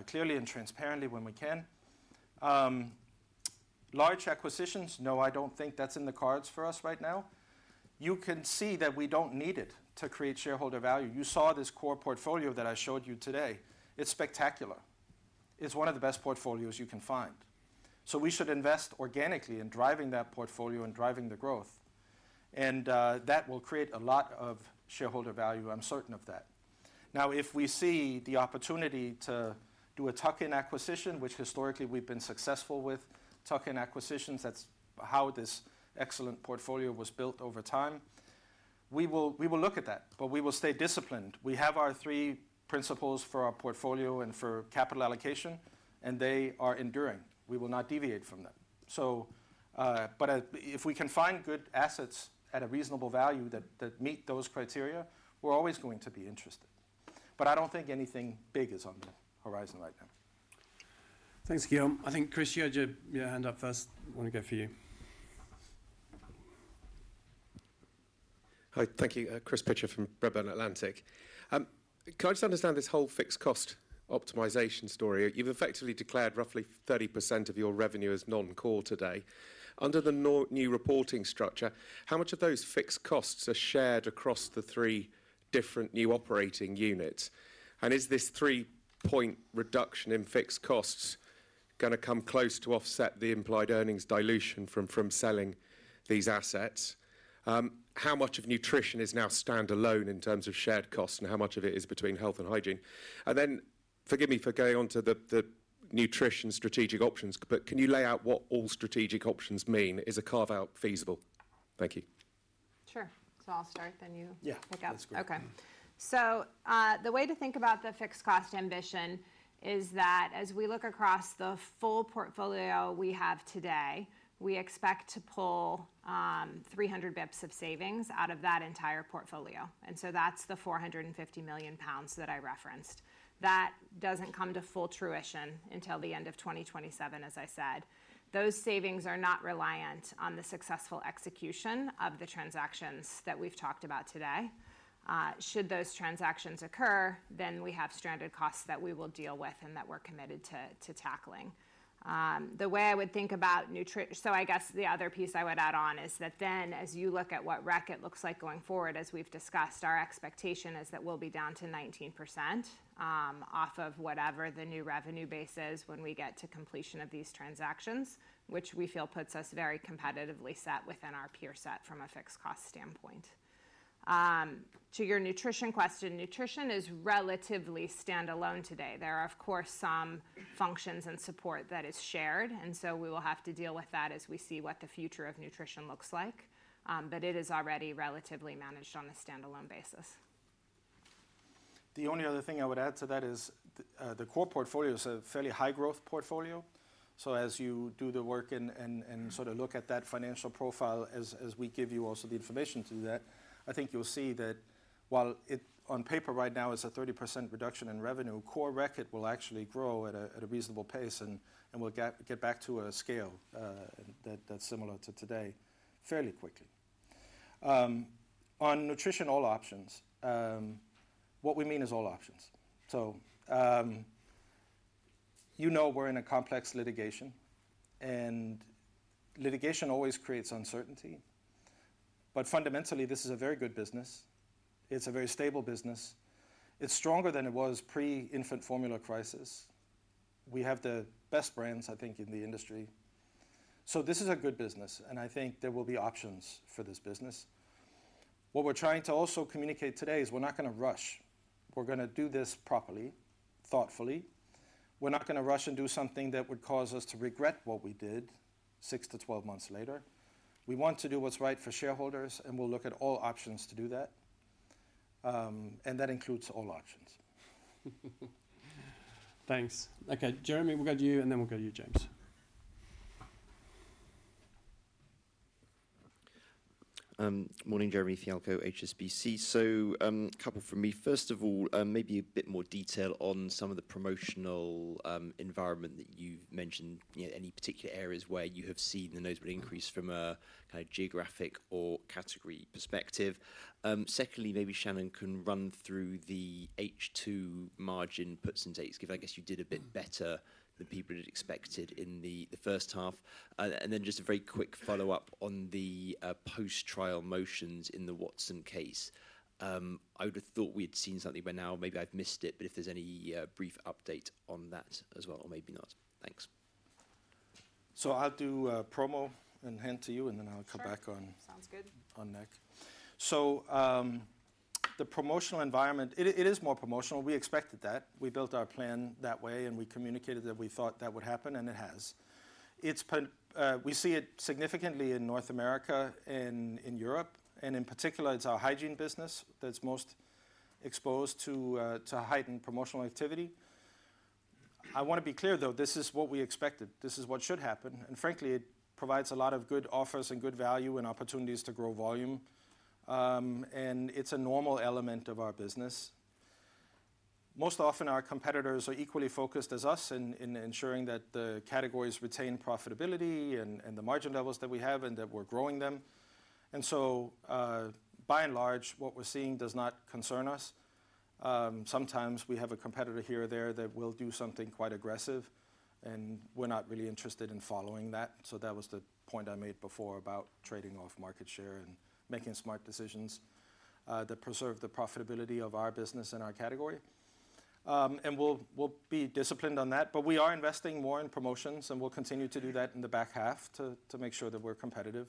clearly and transparently when we can. Large acquisitions, no, I don't think that's in the cards for us right now. You can see that we don't need it to create shareholder value. You saw this core portfolio that I showed you today. It's spectacular. It's one of the best portfolios you can find. So we should invest organically in driving that portfolio and driving the growth and that will create a lot of shareholder value, I'm certain of that. Now, if we see the opportunity to do a tuck-in acquisition, which historically we've been successful with tuck-in acquisitions, that's how this excellent portfolio was built over time, we will look at that, but we will stay disciplined. We have our three principles for our portfolio and for capital allocation, and they are enduring. We will not deviate from them. So, but, if we can find good assets at a reasonable value that meet those criteria, we're always going to be interested. But I don't think anything big is on the horizon right now. Thanks, Guillaume. I think, Chris, you had your hand up first. I'm gonna go for you. Hi. Thank you. Chris Pitcher from Redburn Atlantic. Can I just understand this whole fixed cost optimization story? You've effectively declared roughly 30% of your revenue as non-core today. Under the new reporting structure, how much of those fixed costs are shared across the three different new operating units? And is this three-point reduction in fixed costs gonna come close to offset the implied earnings dilution from selling these assets? How much of Nutrition is now standalone in terms of shared costs, and how much of it is between Health and Hygiene? And then, forgive me for going on to the Nutrition strategic options, but can you lay out what all strategic options mean? Is a carve-out feasible? Thank you. Sure. So I'll start, then you. Yeah. Pick up. That's great. Okay. So, the way to think about the fixed cost ambition is that as we look across the full portfolio we have today, we expect to pull, 300 bps of savings out of that entire portfolio, and so that's the 450 million pounds that I referenced. That doesn't come to full fruition until the end of 2027, as I said. Those savings are not reliant on the successful execution of the transactions that we've talked about today. Should those transactions occur, then we have stranded costs that we will deal with and that we're committed to, to tackling. So I guess the other piece I would add on is that then, as you look at what Reckitt looks like going forward, as we've discussed, our expectation is that we'll be down to 19%, off of whatever the new revenue base is when we get to completion of these transactions, which we feel puts us very competitively set within our peer set from a fixed cost standpoint. To your Nutrition question, Nutrition is relatively standalone today. There are, of course, some functions and support that is shared, and so we will have to deal with that as we see what the future of Nutrition looks like. But it is already relatively managed on a standalone basis. The only other thing I would add to that is the core portfolio is a fairly high growth portfolio. So as you do the work and sort of look at that financial profile as we give you also the information to that, I think you'll see that while it, on paper right now, is a 30% reduction in revenue, core Reckitt will actually grow at a reasonable pace, and we'll get back to a scale that's similar to today fairly quickly. On Nutrition, all options, what we mean is all options. So, you know, we're in a complex litigation, and litigation always creates uncertainty, but fundamentally, this is a very good business. It's a very stable business. It's stronger than it was pre-infant formula crisis. We have the best brands, I think, in the industry. So this is a good business, and I think there will be options for this business. What we're trying to also communicate today is we're not gonna rush. We're gonna do this properly, thoughtfully. We're not gonna rush and do something that would cause us to regret what we did 6-12 months later. We want to do what's right for shareholders, and we'll look at all options to do that. And that includes all options. Thanks. Okay, Jeremy, we'll go to you, and then we'll go to you, James. Morning, Jeremy Fialko, HSBC. So, a couple from me. First of all, maybe a bit more detail on some of the promotional environment that you've mentioned. Any particular areas where you have seen the notable increase from a kind of geographic or category perspective? Secondly, maybe Shannon can run through the H2 margin puts and takes, because I guess you did a bit better than people had expected in the first half. And then just a very quick follow-up on the post-trial motions in the Watson case. I would have thought we'd seen something by now. Maybe I've missed it, but if there's any brief update on that as well, or maybe not. Thanks. I'll do promo and hand to you, and then I'll come back on- Sure. Sounds good. On next. So, the promotional environment, it is, it is more promotional. We expected that. We built our plan that way, and we communicated that we thought that would happen, and it has. It's been. We see it significantly in North America and in Europe, and in particular, it's our Hygiene business that's most exposed to heightened promotional activity. I wanna be clear, though, this is what we expected. This is what should happen, and frankly, it provides a lot of good offers and good value and opportunities to grow volume. And it's a normal element of our business. Most often, our competitors are equally focused as us in ensuring that the categories retain profitability and the margin levels that we have, and that we're growing them. And so, by and large, what we're seeing does not concern us. Sometimes we have a competitor here or there that will do something quite aggressive, and we're not really interested in following that. So that was the point I made before about trading off market share and making smart decisions that preserve the profitability of our business and our category. And we'll be disciplined on that, but we are investing more in promotions, and we'll continue to do that in the back half to make sure that we're competitive.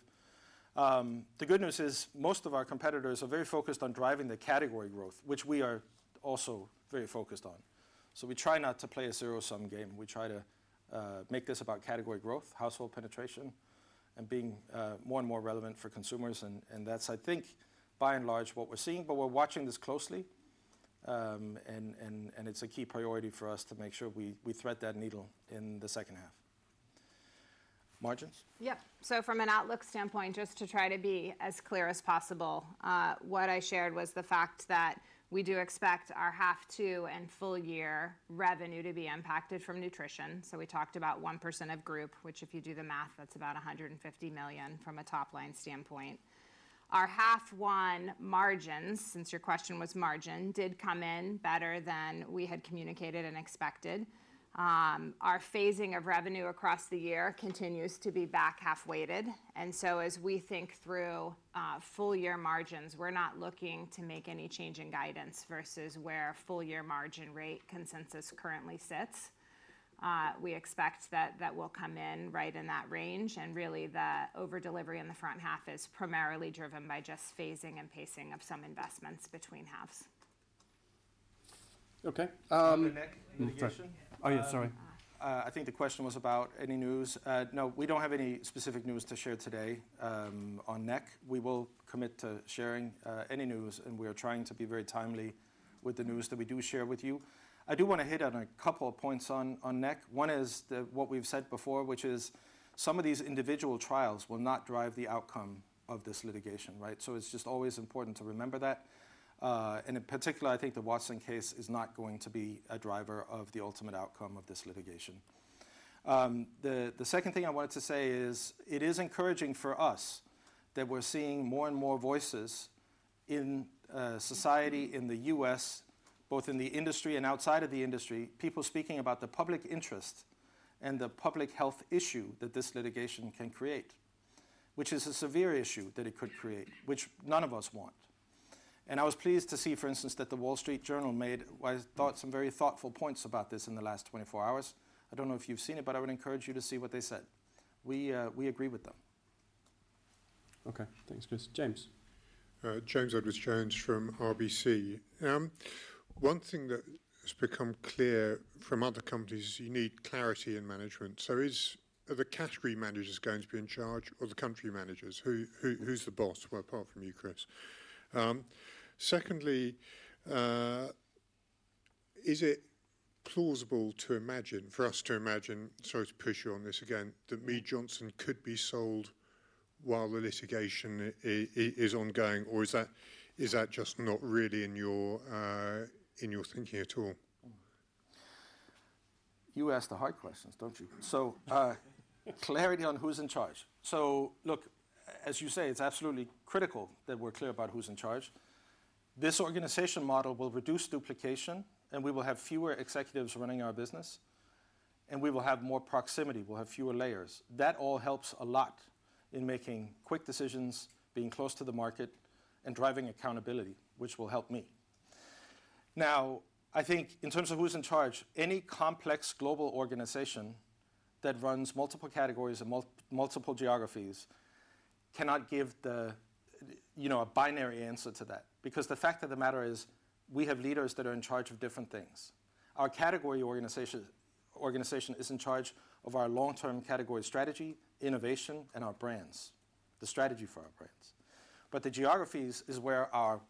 The good news is most of our competitors are very focused on driving the category growth, which we are also very focused on. So we try not to play a zero-sum game. We try to make this about category growth, household penetration, and being more and more relevant for consumers, and that's, I think, by and large, what we're seeing. But we're watching this closely, and it's a key priority for us to make sure we thread that needle in the second half. Margins? Yep. So from an outlook standpoint, just to try to be as clear as possible, what I shared was the fact that we do expect our half two and full year revenue to be impacted from Nutrition. So we talked about 1% of group, which, if you do the math, that's about 150 million from a top-line standpoint. Our half one margins, since your question was margin, did come in better than we had communicated and expected. Our phasing of revenue across the year continues to be back half weighted, and so as we think through, full year margins, we're not looking to make any change in guidance versus where full year margin rate consensus currently sits. We expect that that will come in right in that range, and really, the over delivery in the front half is primarily driven by just phasing and pacing of some investments between halves. Okay, on the NEC litigation. Oh, yeah, sorry. I think the question was about any news. No, we don't have any specific news to share today, on NEC. We will commit to sharing, any news, and we are trying to be very timely with the news that we do share with you. I do wanna hit on a couple of points on, on NEC. One is the... what we've said before, which is some of these individual trials will not drive the outcome of this litigation, right? So it's just always important to remember that, and in particular, I think the Watson case is not going to be a driver of the ultimate outcome of this litigation. The second thing I wanted to say is, it is encouraging for us that we're seeing more and more voices in society, in the U.S., both in the industry and outside of the industry, people speaking about the public interest and the public health issue that this litigation can create, which is a severe issue that it could create, which none of us want. And I was pleased to see, for instance, that The Wall Street Journal made what I thought some very thoughtful points about this in the last 24 hours. I don't know if you've seen it, but I would encourage you to see what they said. We agree with them. Okay, thanks, Kris. James? James Edwardes Jones from RBC. One thing that has become clear from other companies is you need clarity in management. So are the category managers going to be in charge or the country managers? Who, who's the boss, well, apart from you, Kris? Secondly, is it plausible to imagine, for us to imagine, sorry to push you on this again, that Mead Johnson could be sold while the litigation is ongoing, or is that, is that just not really in your thinking at all? You ask the hard questions, don't you? Clarity on who's in charge. So look, as you say, it's absolutely critical that we're clear about who's in charge. This organization model will reduce duplication, and we will have fewer executives running our business, and we will have more proximity. We'll have fewer layers. That all helps a lot in making quick decisions, being close to the market, and driving accountability, which will help me. Now, I think in terms of who's in charge, any complex global organization that runs multiple categories and multiple geographies cannot give the, you know, a binary answer to that because the fact of the matter is, we have leaders that are in charge of different things. Our category organization is in charge of our long-term category strategy, innovation, and our brands, the strategy for our brands. But the geographies is where our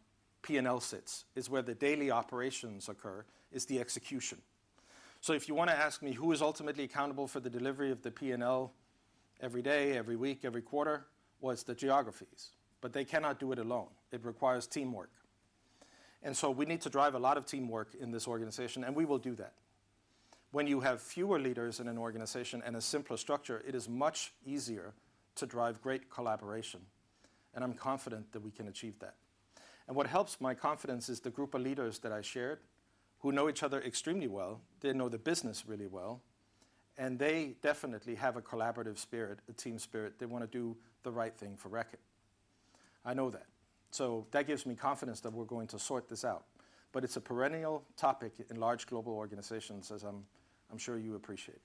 P&L sits. It's where the daily operations occur. It's the execution. So if you wanna ask me, who is ultimately accountable for the delivery of the P&L every day, every week, every quarter? Well, it's the geographies, but they cannot do it alone. It requires teamwork. And so we need to drive a lot of teamwork in this organization, and we will do that. When you have fewer leaders in an organization and a simpler structure, it is much easier to drive great collaboration, and I'm confident that we can achieve that. And what helps my confidence is the group of leaders that I shared, who know each other extremely well, they know the business really well, and they definitely have a collaborative spirit, a team spirit. They wanna do the right thing for Reckitt. I know that. So that gives me confidence that we're going to sort this out, but it's a perennial topic in large global organizations, as I'm sure you appreciate.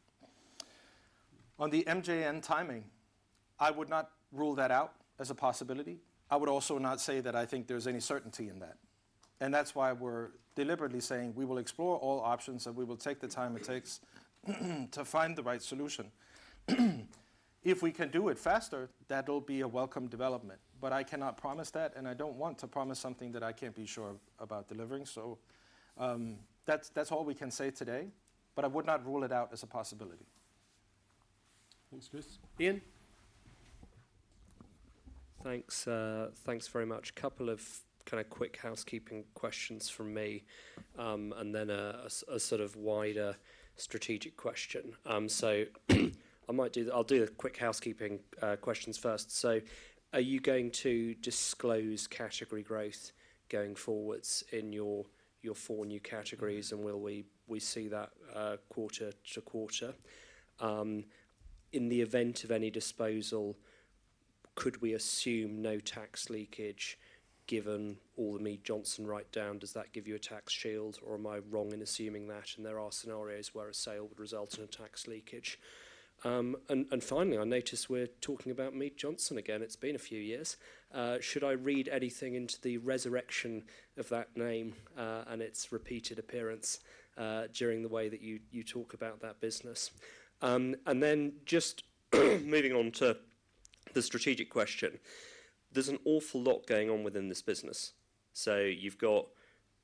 On the MJN timing, I would not rule that out as a possibility. I would also not say that I think there's any certainty in that, and that's why we're deliberately saying we will explore all options and we will take the time it takes to find the right solution. If we can do it faster, that will be a welcome development, but I cannot promise that, and I don't want to promise something that I can't be sure about delivering, so, that's all we can say today, but I would not rule it out as a possibility. Thanks, Kris. Ian? Thanks, thanks very much. A couple of kind of quick housekeeping questions from me, and then a sort of wider strategic question. So I'll do the quick housekeeping questions first. So are you going to disclose category growth going forwards in your four new categories, and will we see that quarter to quarter? In the event of any disposal. Could we assume no tax leakage, given all the Mead Johnson write-down? Does that give you a tax shield, or am I wrong in assuming that, and there are scenarios where a sale would result in a tax leakage? And finally, I notice we're talking about Mead Johnson again. It's been a few years. Should I read anything into the resurrection of that name, and its repeated appearance, during the way that you talk about that business? And then just moving on to the strategic question. There's an awful lot going on within this business. So you've got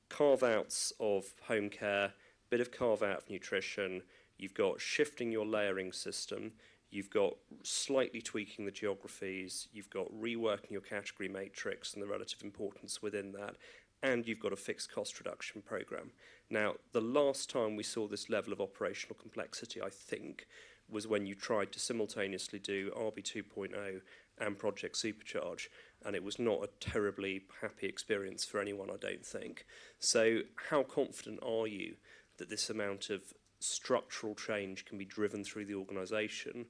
carve-outs of home care, bit of carve-out nutrition, you've got shifting your layering system, you've got slightly tweaking the geographies, you've got reworking your category matrix and the relative importance within that, and you've got a fixed cost reduction program. Now, the last time we saw this level of operational complexity, I think, was when you tried to simultaneously do RB 2.0 and Project Supercharge, and it was not a terribly happy experience for anyone, I don't think. So how confident are you that this amount of structural change can be driven through the organization,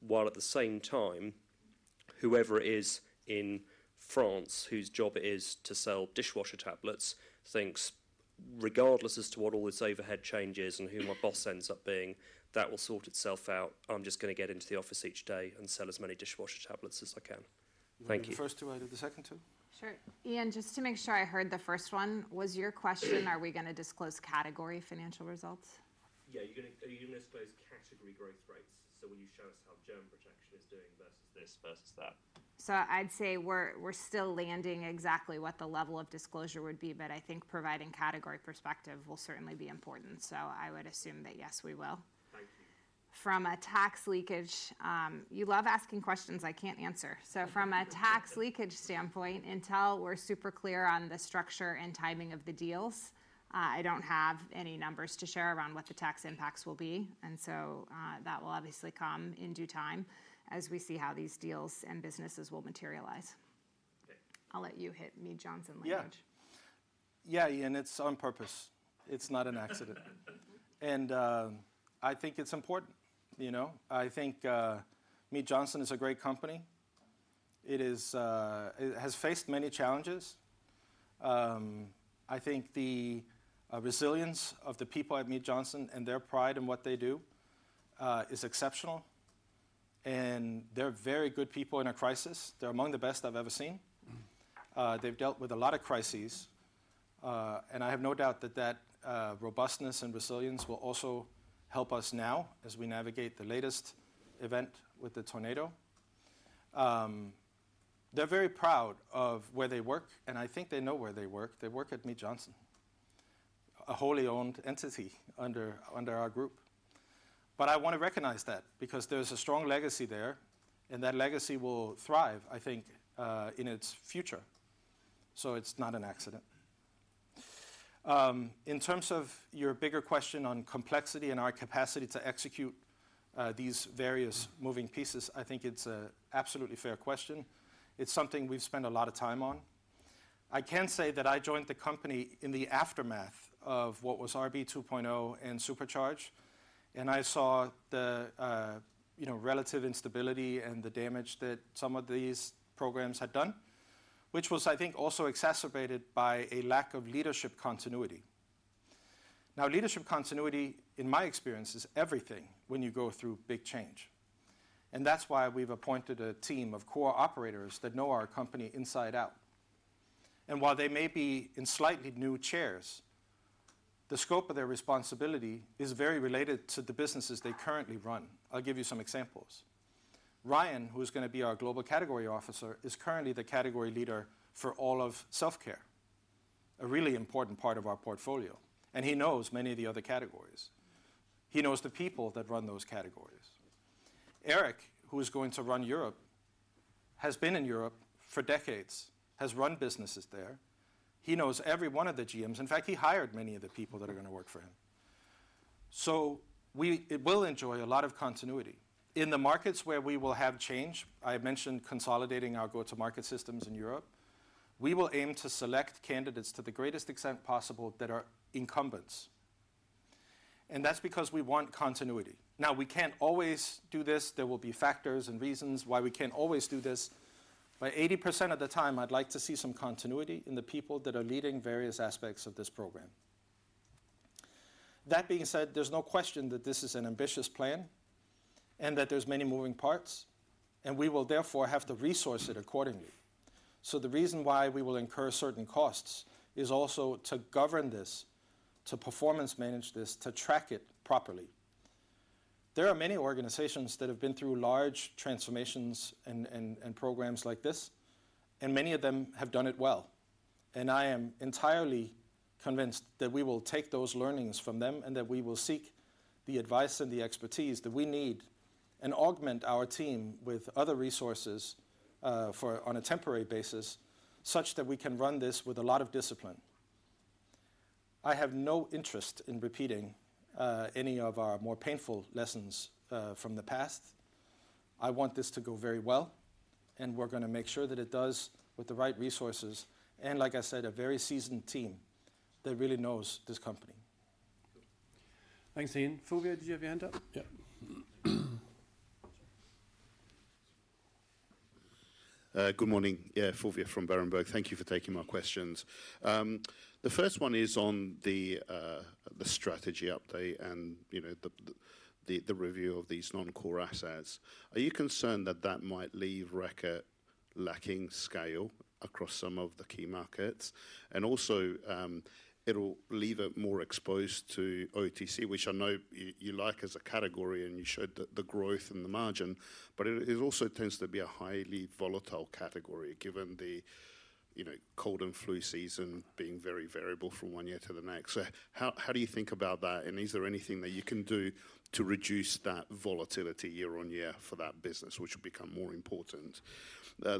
while at the same time, whoever it is in France, whose job it is to sell dishwasher tablets, thinks regardless as to what all this overhead change is and who my boss ends up being, that will sort itself out. I'm just gonna get into the office each day and sell as many dishwasher tablets as I can? Thank you. You want the first two out of the second two? Sure. Ian, just to make sure I heard the first one, was your question, are we gonna disclose category financial results? Yeah, are you gonna disclose category growth rates? So will you show us how germ protection is doing versus this, versus that? So I'd say we're still landing exactly what the level of disclosure would be, but I think providing category perspective will certainly be important. So I would assume that, yes, we will. Thank you. From a tax leakage, you love asking questions I can't answer. So from a tax leakage standpoint, until we're super clear on the structure and timing of the deals, I don't have any numbers to share around what the tax impacts will be, and so, that will obviously come in due time as we see how these deals and businesses will materialize. Okay. I'll let you hit Mead Johnson language. Yeah. Yeah, Ian, it's on purpose. It's not an accident. And I think it's important, you know. I think Mead Johnson is a great company. It is, it has faced many challenges. I think the resilience of the people at Mead Johnson and their pride in what they do is exceptional, and they're very good people in a crisis. They're among the best I've ever seen. They've dealt with a lot of crises, and I have no doubt that that robustness and resilience will also help us now as we navigate the latest event with the tornado. They're very proud of where they work, and I think they know where they work. They work at Mead Johnson, a wholly owned entity under our group. But I want to recognize that because there's a strong legacy there, and that legacy will thrive, I think, in its future. So it's not an accident. In terms of your bigger question on complexity and our capacity to execute, these various moving pieces, I think it's a absolutely fair question. It's something we've spent a lot of time on. I can say that I joined the company in the aftermath of what was RB 2.0 and Supercharge, and I saw the, you know, relative instability and the damage that some of these programs had done, which was, I think, also exacerbated by a lack of leadership continuity. Now, leadership continuity, in my experience, is everything when you go through big change, and that's why we've appointed a team of core operators that know our company inside out. While they may be in slightly new chairs, the scope of their responsibility is very related to the businesses they currently run. I'll give you some examples. Ryan, who's gonna be our global category officer, is currently the category leader for all of self-care, a really important part of our portfolio, and he knows many of the other categories. He knows the people that run those categories. Eric, who is going to run Europe, has been in Europe for decades, has run businesses there. He knows every one of the GMs. In fact, he hired many of the people that are gonna work for him. So it will enjoy a lot of continuity. In the markets where we will have change, I mentioned consolidating our go-to-market systems in Europe. We will aim to select candidates to the greatest extent possible that are incumbents, and that's because we want continuity. Now, we can't always do this. There will be factors and reasons why we can't always do this, but 80% of the time, I'd like to see some continuity in the people that are leading various aspects of this program. That being said, there's no question that this is an ambitious plan and that there's many moving parts, and we will therefore have to resource it accordingly. So the reason why we will incur certain costs is also to govern this, to performance manage this, to track it properly. There are many organizations that have been through large transformations and programs like this, and many of them have done it well, and I am entirely convinced that we will take those learnings from them, and that we will seek the advice and the expertise that we need and augment our team with other resources, for on a temporary basis, such that we can run this with a lot of discipline. I have no interest in repeating any of our more painful lessons from the past. I want this to go very well, and we're gonna make sure that it does with the right resources, and like I said, a very seasoned team that really knows this company. Thanks, Ian. Fulvia, did you have your hand up? Good morning. Yeah, Fulvia from Berenberg. Thank you for taking my questions. The first one is on the, the strategy update and, you know, the, the, the review of these non-core assets. Are you concerned that that might leave Reckitt lacking scale across some of the key markets? And also, it'll leave it more exposed to OTC, which I know y- you like as a category, and you showed the, the growth and the margin, but it, it also tends to be a highly volatile category given the, you know, cold and flu season being very variable from one year to the next. So how, how do you think about that, and is there anything that you can do to reduce that volatility year on year for that business, which will become more important?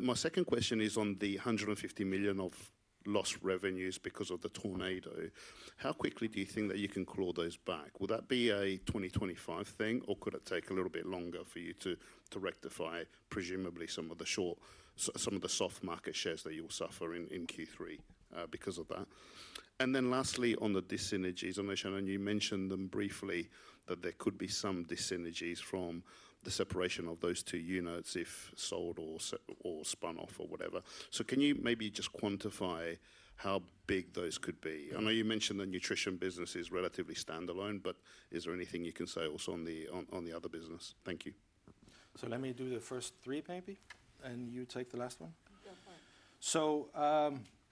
My second question is on the 150 million of lost revenues because of the tornado. How quickly do you think that you can claw those back? Will that be a 2025 thing, or could it take a little bit longer for you to rectify, presumably some of the soft market shares that you will suffer in Q3 because of that? And then lastly, on the dis-synergies, I know Shannon, you mentioned them briefly, that there could be some dis-synergies from the separation of those two units if sold or spun off or whatever. So can you maybe just quantify how big those could be? I know you mentioned the Nutrition business is relatively standalone, but is there anything you can say also on the other business? Thank you. Let me do the first three, maybe, and you take the last one. Yeah, fine. So,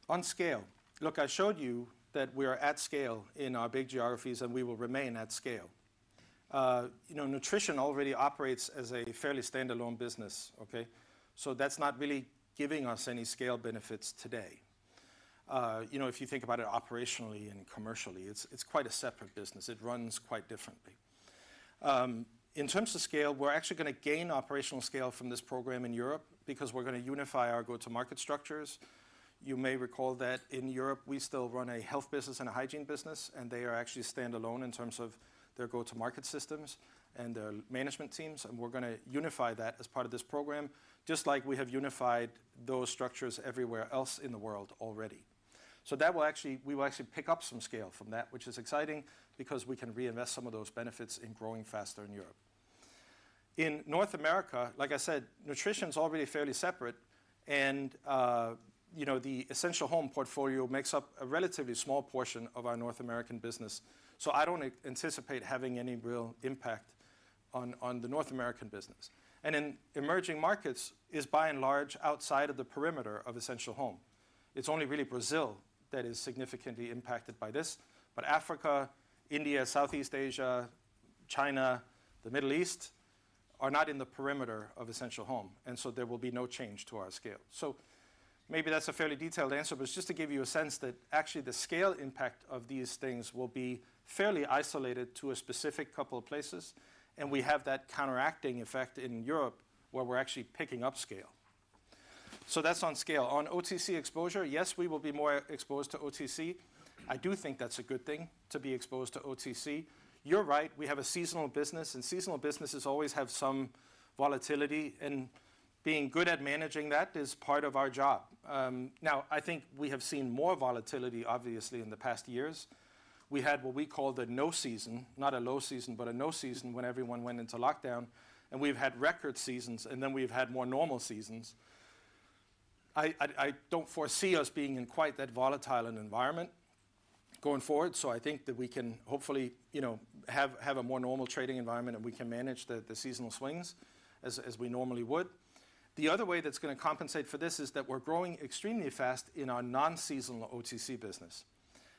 on scale, look, I showed you that we are at scale in our big geographies, and we will remain at scale. You know, Nutrition already operates as a fairly standalone business, okay? So that's not really giving us any scale benefits today. You know, if you think about it operationally and commercially, it's, it's quite a separate business. It runs quite differently. In terms of scale, we're actually gonna gain operational scale from this program in Europe because we're gonna unify our go-to-market structures. You may recall that in Europe, we still run a Health business and a Hygiene business, and they are actually standalone in terms of their go-to-market systems and their management teams, and we're gonna unify that as part of this program, just like we have unified those structures everywhere else in the world already. So that will actually we will actually pick up some scale from that, which is exciting because we can reinvest some of those benefits in growing faster in Europe. In North America, like I said, Nutrition's already fairly separate, and, you know, the Essential Home portfolio makes up a relatively small portion of our North American business. So I don't anticipate having any real impact on, on the North American business. And in emerging markets, is by and large, outside of the perimeter of Essential Home. It's only really Brazil that is significantly impacted by this, but Africa, India, Southeast Asia, China, the Middle East, are not in the perimeter of Essential Home, and so there will be no change to our scale. So maybe that's a fairly detailed answer, but just to give you a sense that actually the scale impact of these things will be fairly isolated to a specific couple of places, and we have that counteracting effect in Europe, where we're actually picking up scale. So that's on scale. On OTC exposure, yes, we will be more exposed to OTC. I do think that's a good thing to be exposed to OTC. You're right, we have a seasonal business, and seasonal businesses always have some volatility, and being good at managing that is part of our job. Now, I think we have seen more volatility, obviously, in the past years. We had what we call the no season, not a low season, but a no season when everyone went into lockdown, and we've had record seasons, and then we've had more normal seasons. I don't foresee us being in quite that volatile an environment going forward, so I think that we can hopefully, you know, have a more normal trading environment, and we can manage the seasonal swings as we normally would. The other way that's gonna compensate for this is that we're growing extremely fast in our non-seasonal OTC business.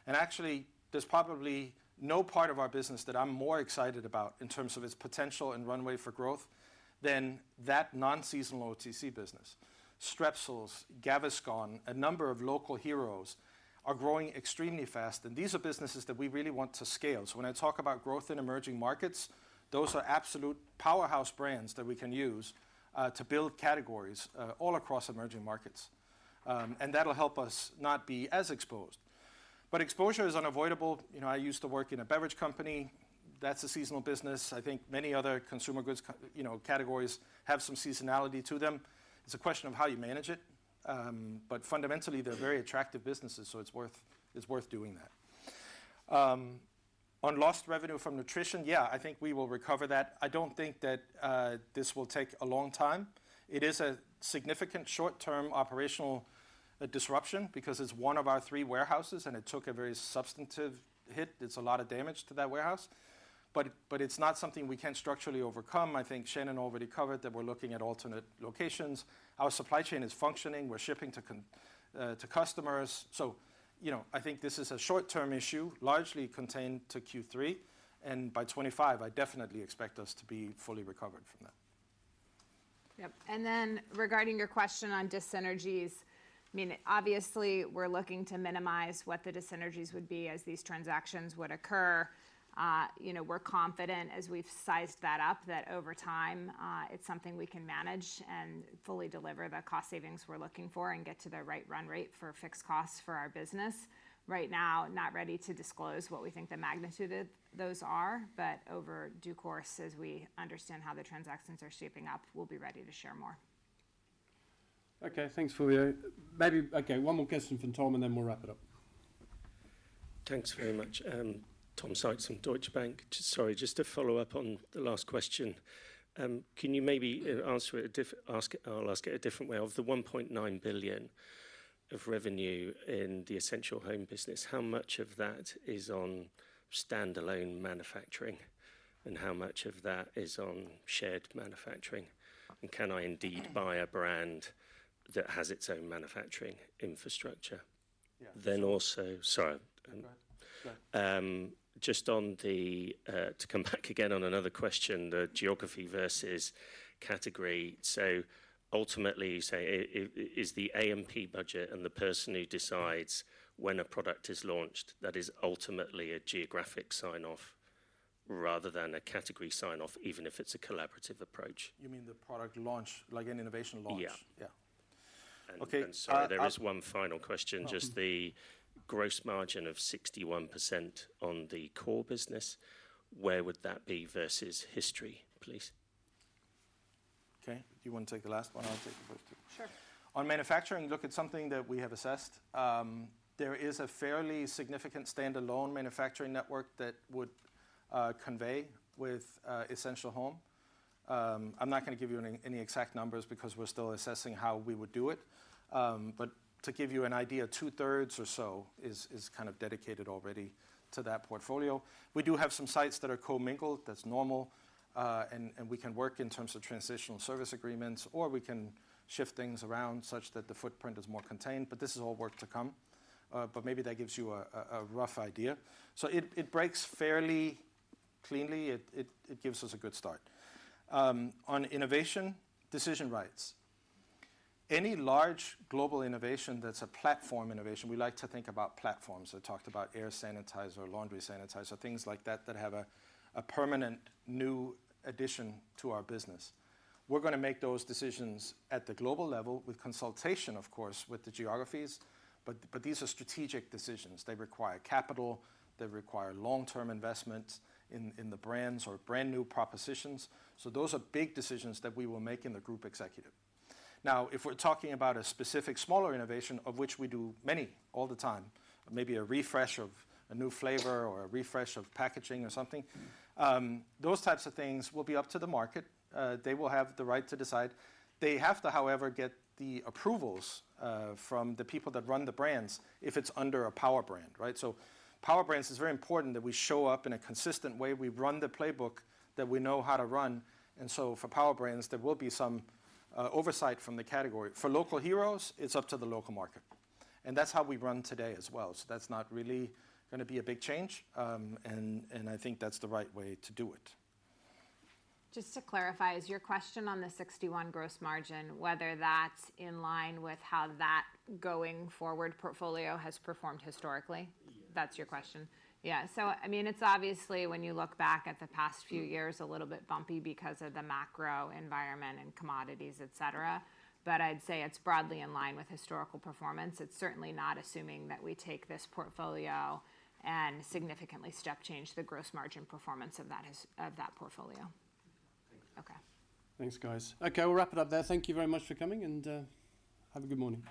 And actually, there's probably no part of our business that I'm more excited about in terms of its potential and runway for growth than that non-seasonal OTC business. Strepsils, Gaviscon, a number of local heroes are growing extremely fast, and these are businesses that we really want to scale. So when I talk about growth in emerging markets, those are absolute powerhouse brands that we can use to build categories all across emerging markets. And that'll help us not be as exposed. But exposure is unavoidable. You know, I used to work in a beverage company. That's a seasonal business. I think many other consumer goods, you know, categories have some seasonality to them. It's a question of how you manage it, but fundamentally, they're very attractive businesses, so it's worth, it's worth doing that. On lost revenue from Nutrition, yeah, I think we will recover that. I don't think that, this will take a long time. It is a significant short-term operational, disruption because it's one of our three warehouses, and it took a very substantive hit. It's a lot of damage to that warehouse, but, but it's not something we can't structurally overcome. I think Shannon already covered that we're looking at alternate locations. Our supply chain is functioning. We're shipping to customers. So, you know, I think this is a short-term issue, largely contained to Q3, and by 2025, I definitely expect us to be fully recovered from that. Yep. And then regarding your question on dis-synergies, I mean, obviously, we're looking to minimize what the dis-synergies would be as these transactions would occur. You know, we're confident as we've sized that up, that over time, it's something we can manage and fully deliver the cost savings we're looking for and get to the right run rate for fixed costs for our business. Right now, not ready to disclose what we think the magnitude of those are, but in due course, as we understand how the transactions are shaping up, we'll be ready to share more. Okay, thanks, Shannon. Maybe, okay, one more question from Tom, and then we'll wrap it up. Thanks very much. Tom Sykes from Deutsche Bank. Sorry, just to follow up on the last question, can you maybe answer it... I'll ask it a different way. Of the 1.9 billion of revenue in the Essential Home business, how much of that is on standalone manufacturing, and how much of that is on shared manufacturing? And can I indeed buy a brand that has its own manufacturing infrastructure? Yeah. Then also. Sorry. Go ahead. Just on the, to come back again on another question, the geography versus category. So ultimately, you say, it is the A&P budget and the person who decides when a product is launched, that is ultimately a geographic sign-off rather than a category sign-off, even if it's a collaborative approach. You mean the product launch, like an innovation launch? Yeah. Yeah. And. Okay. Sorry, there is one final question. No. Just the gross margin of 61% on the core business, where would that be versus history, please? Okay. Do you wanna take the last one? I'll take the first two. Sure. On manufacturing, look, it's something that we have assessed. There is a fairly significant standalone manufacturing network that would convey with Essential Home. I'm not gonna give you any exact numbers because we're still assessing how we would do it. But to give you an idea, two-thirds or so is kind of dedicated already to that portfolio. We do have some sites that are co-mingled, that's normal, and we can work in terms of transitional service agreements, or we can shift things around such that the footprint is more contained, but this is all work to come. But maybe that gives you a rough idea. So it breaks fairly cleanly. It gives us a good start. On innovation, decision rights. Any large global innovation that's a platform innovation, we like to think about platforms. I talked about air sanitizer, laundry sanitizer, things like that, that have a permanent new addition to our business. We're gonna make those decisions at the global level with consultation, of course, with the geographies, but these are strategic decisions. They require capital, they require long-term investment in the brands or brand-new propositions. So those are big decisions that we will make in the Group Executive. Now, if we're talking about a specific smaller innovation, of which we do many all the time, maybe a refresh of a new flavor or a refresh of packaging or something, those types of things will be up to the market. They will have the right to decide. They have to, however, get the approvals from the people that run the brands if it's under a power brand, right? So power brands, it's very important that we show up in a consistent way. We run the playbook that we know how to run, and so for power brands, there will be some oversight from the category. For local heroes, it's up to the local market, and that's how we run today as well. So that's not really gonna be a big change, and I think that's the right way to do it. Just to clarify, is your question on the 61 gross margin, whether that's in line with how that going forward portfolio has performed historically? Yeah. That's your question? Yeah. So I mean, it's obviously, when you look back at the past few years, a little bit bumpy because of the macro environment and commodities, et cetera. But I'd say it's broadly in line with historical performance. It's certainly not assuming that we take this portfolio and significantly step change the gross margin performance of that portfolio. Thank you. Okay. Thanks, guys. Okay, we'll wrap it up there. Thank you very much for coming, and have a good morning.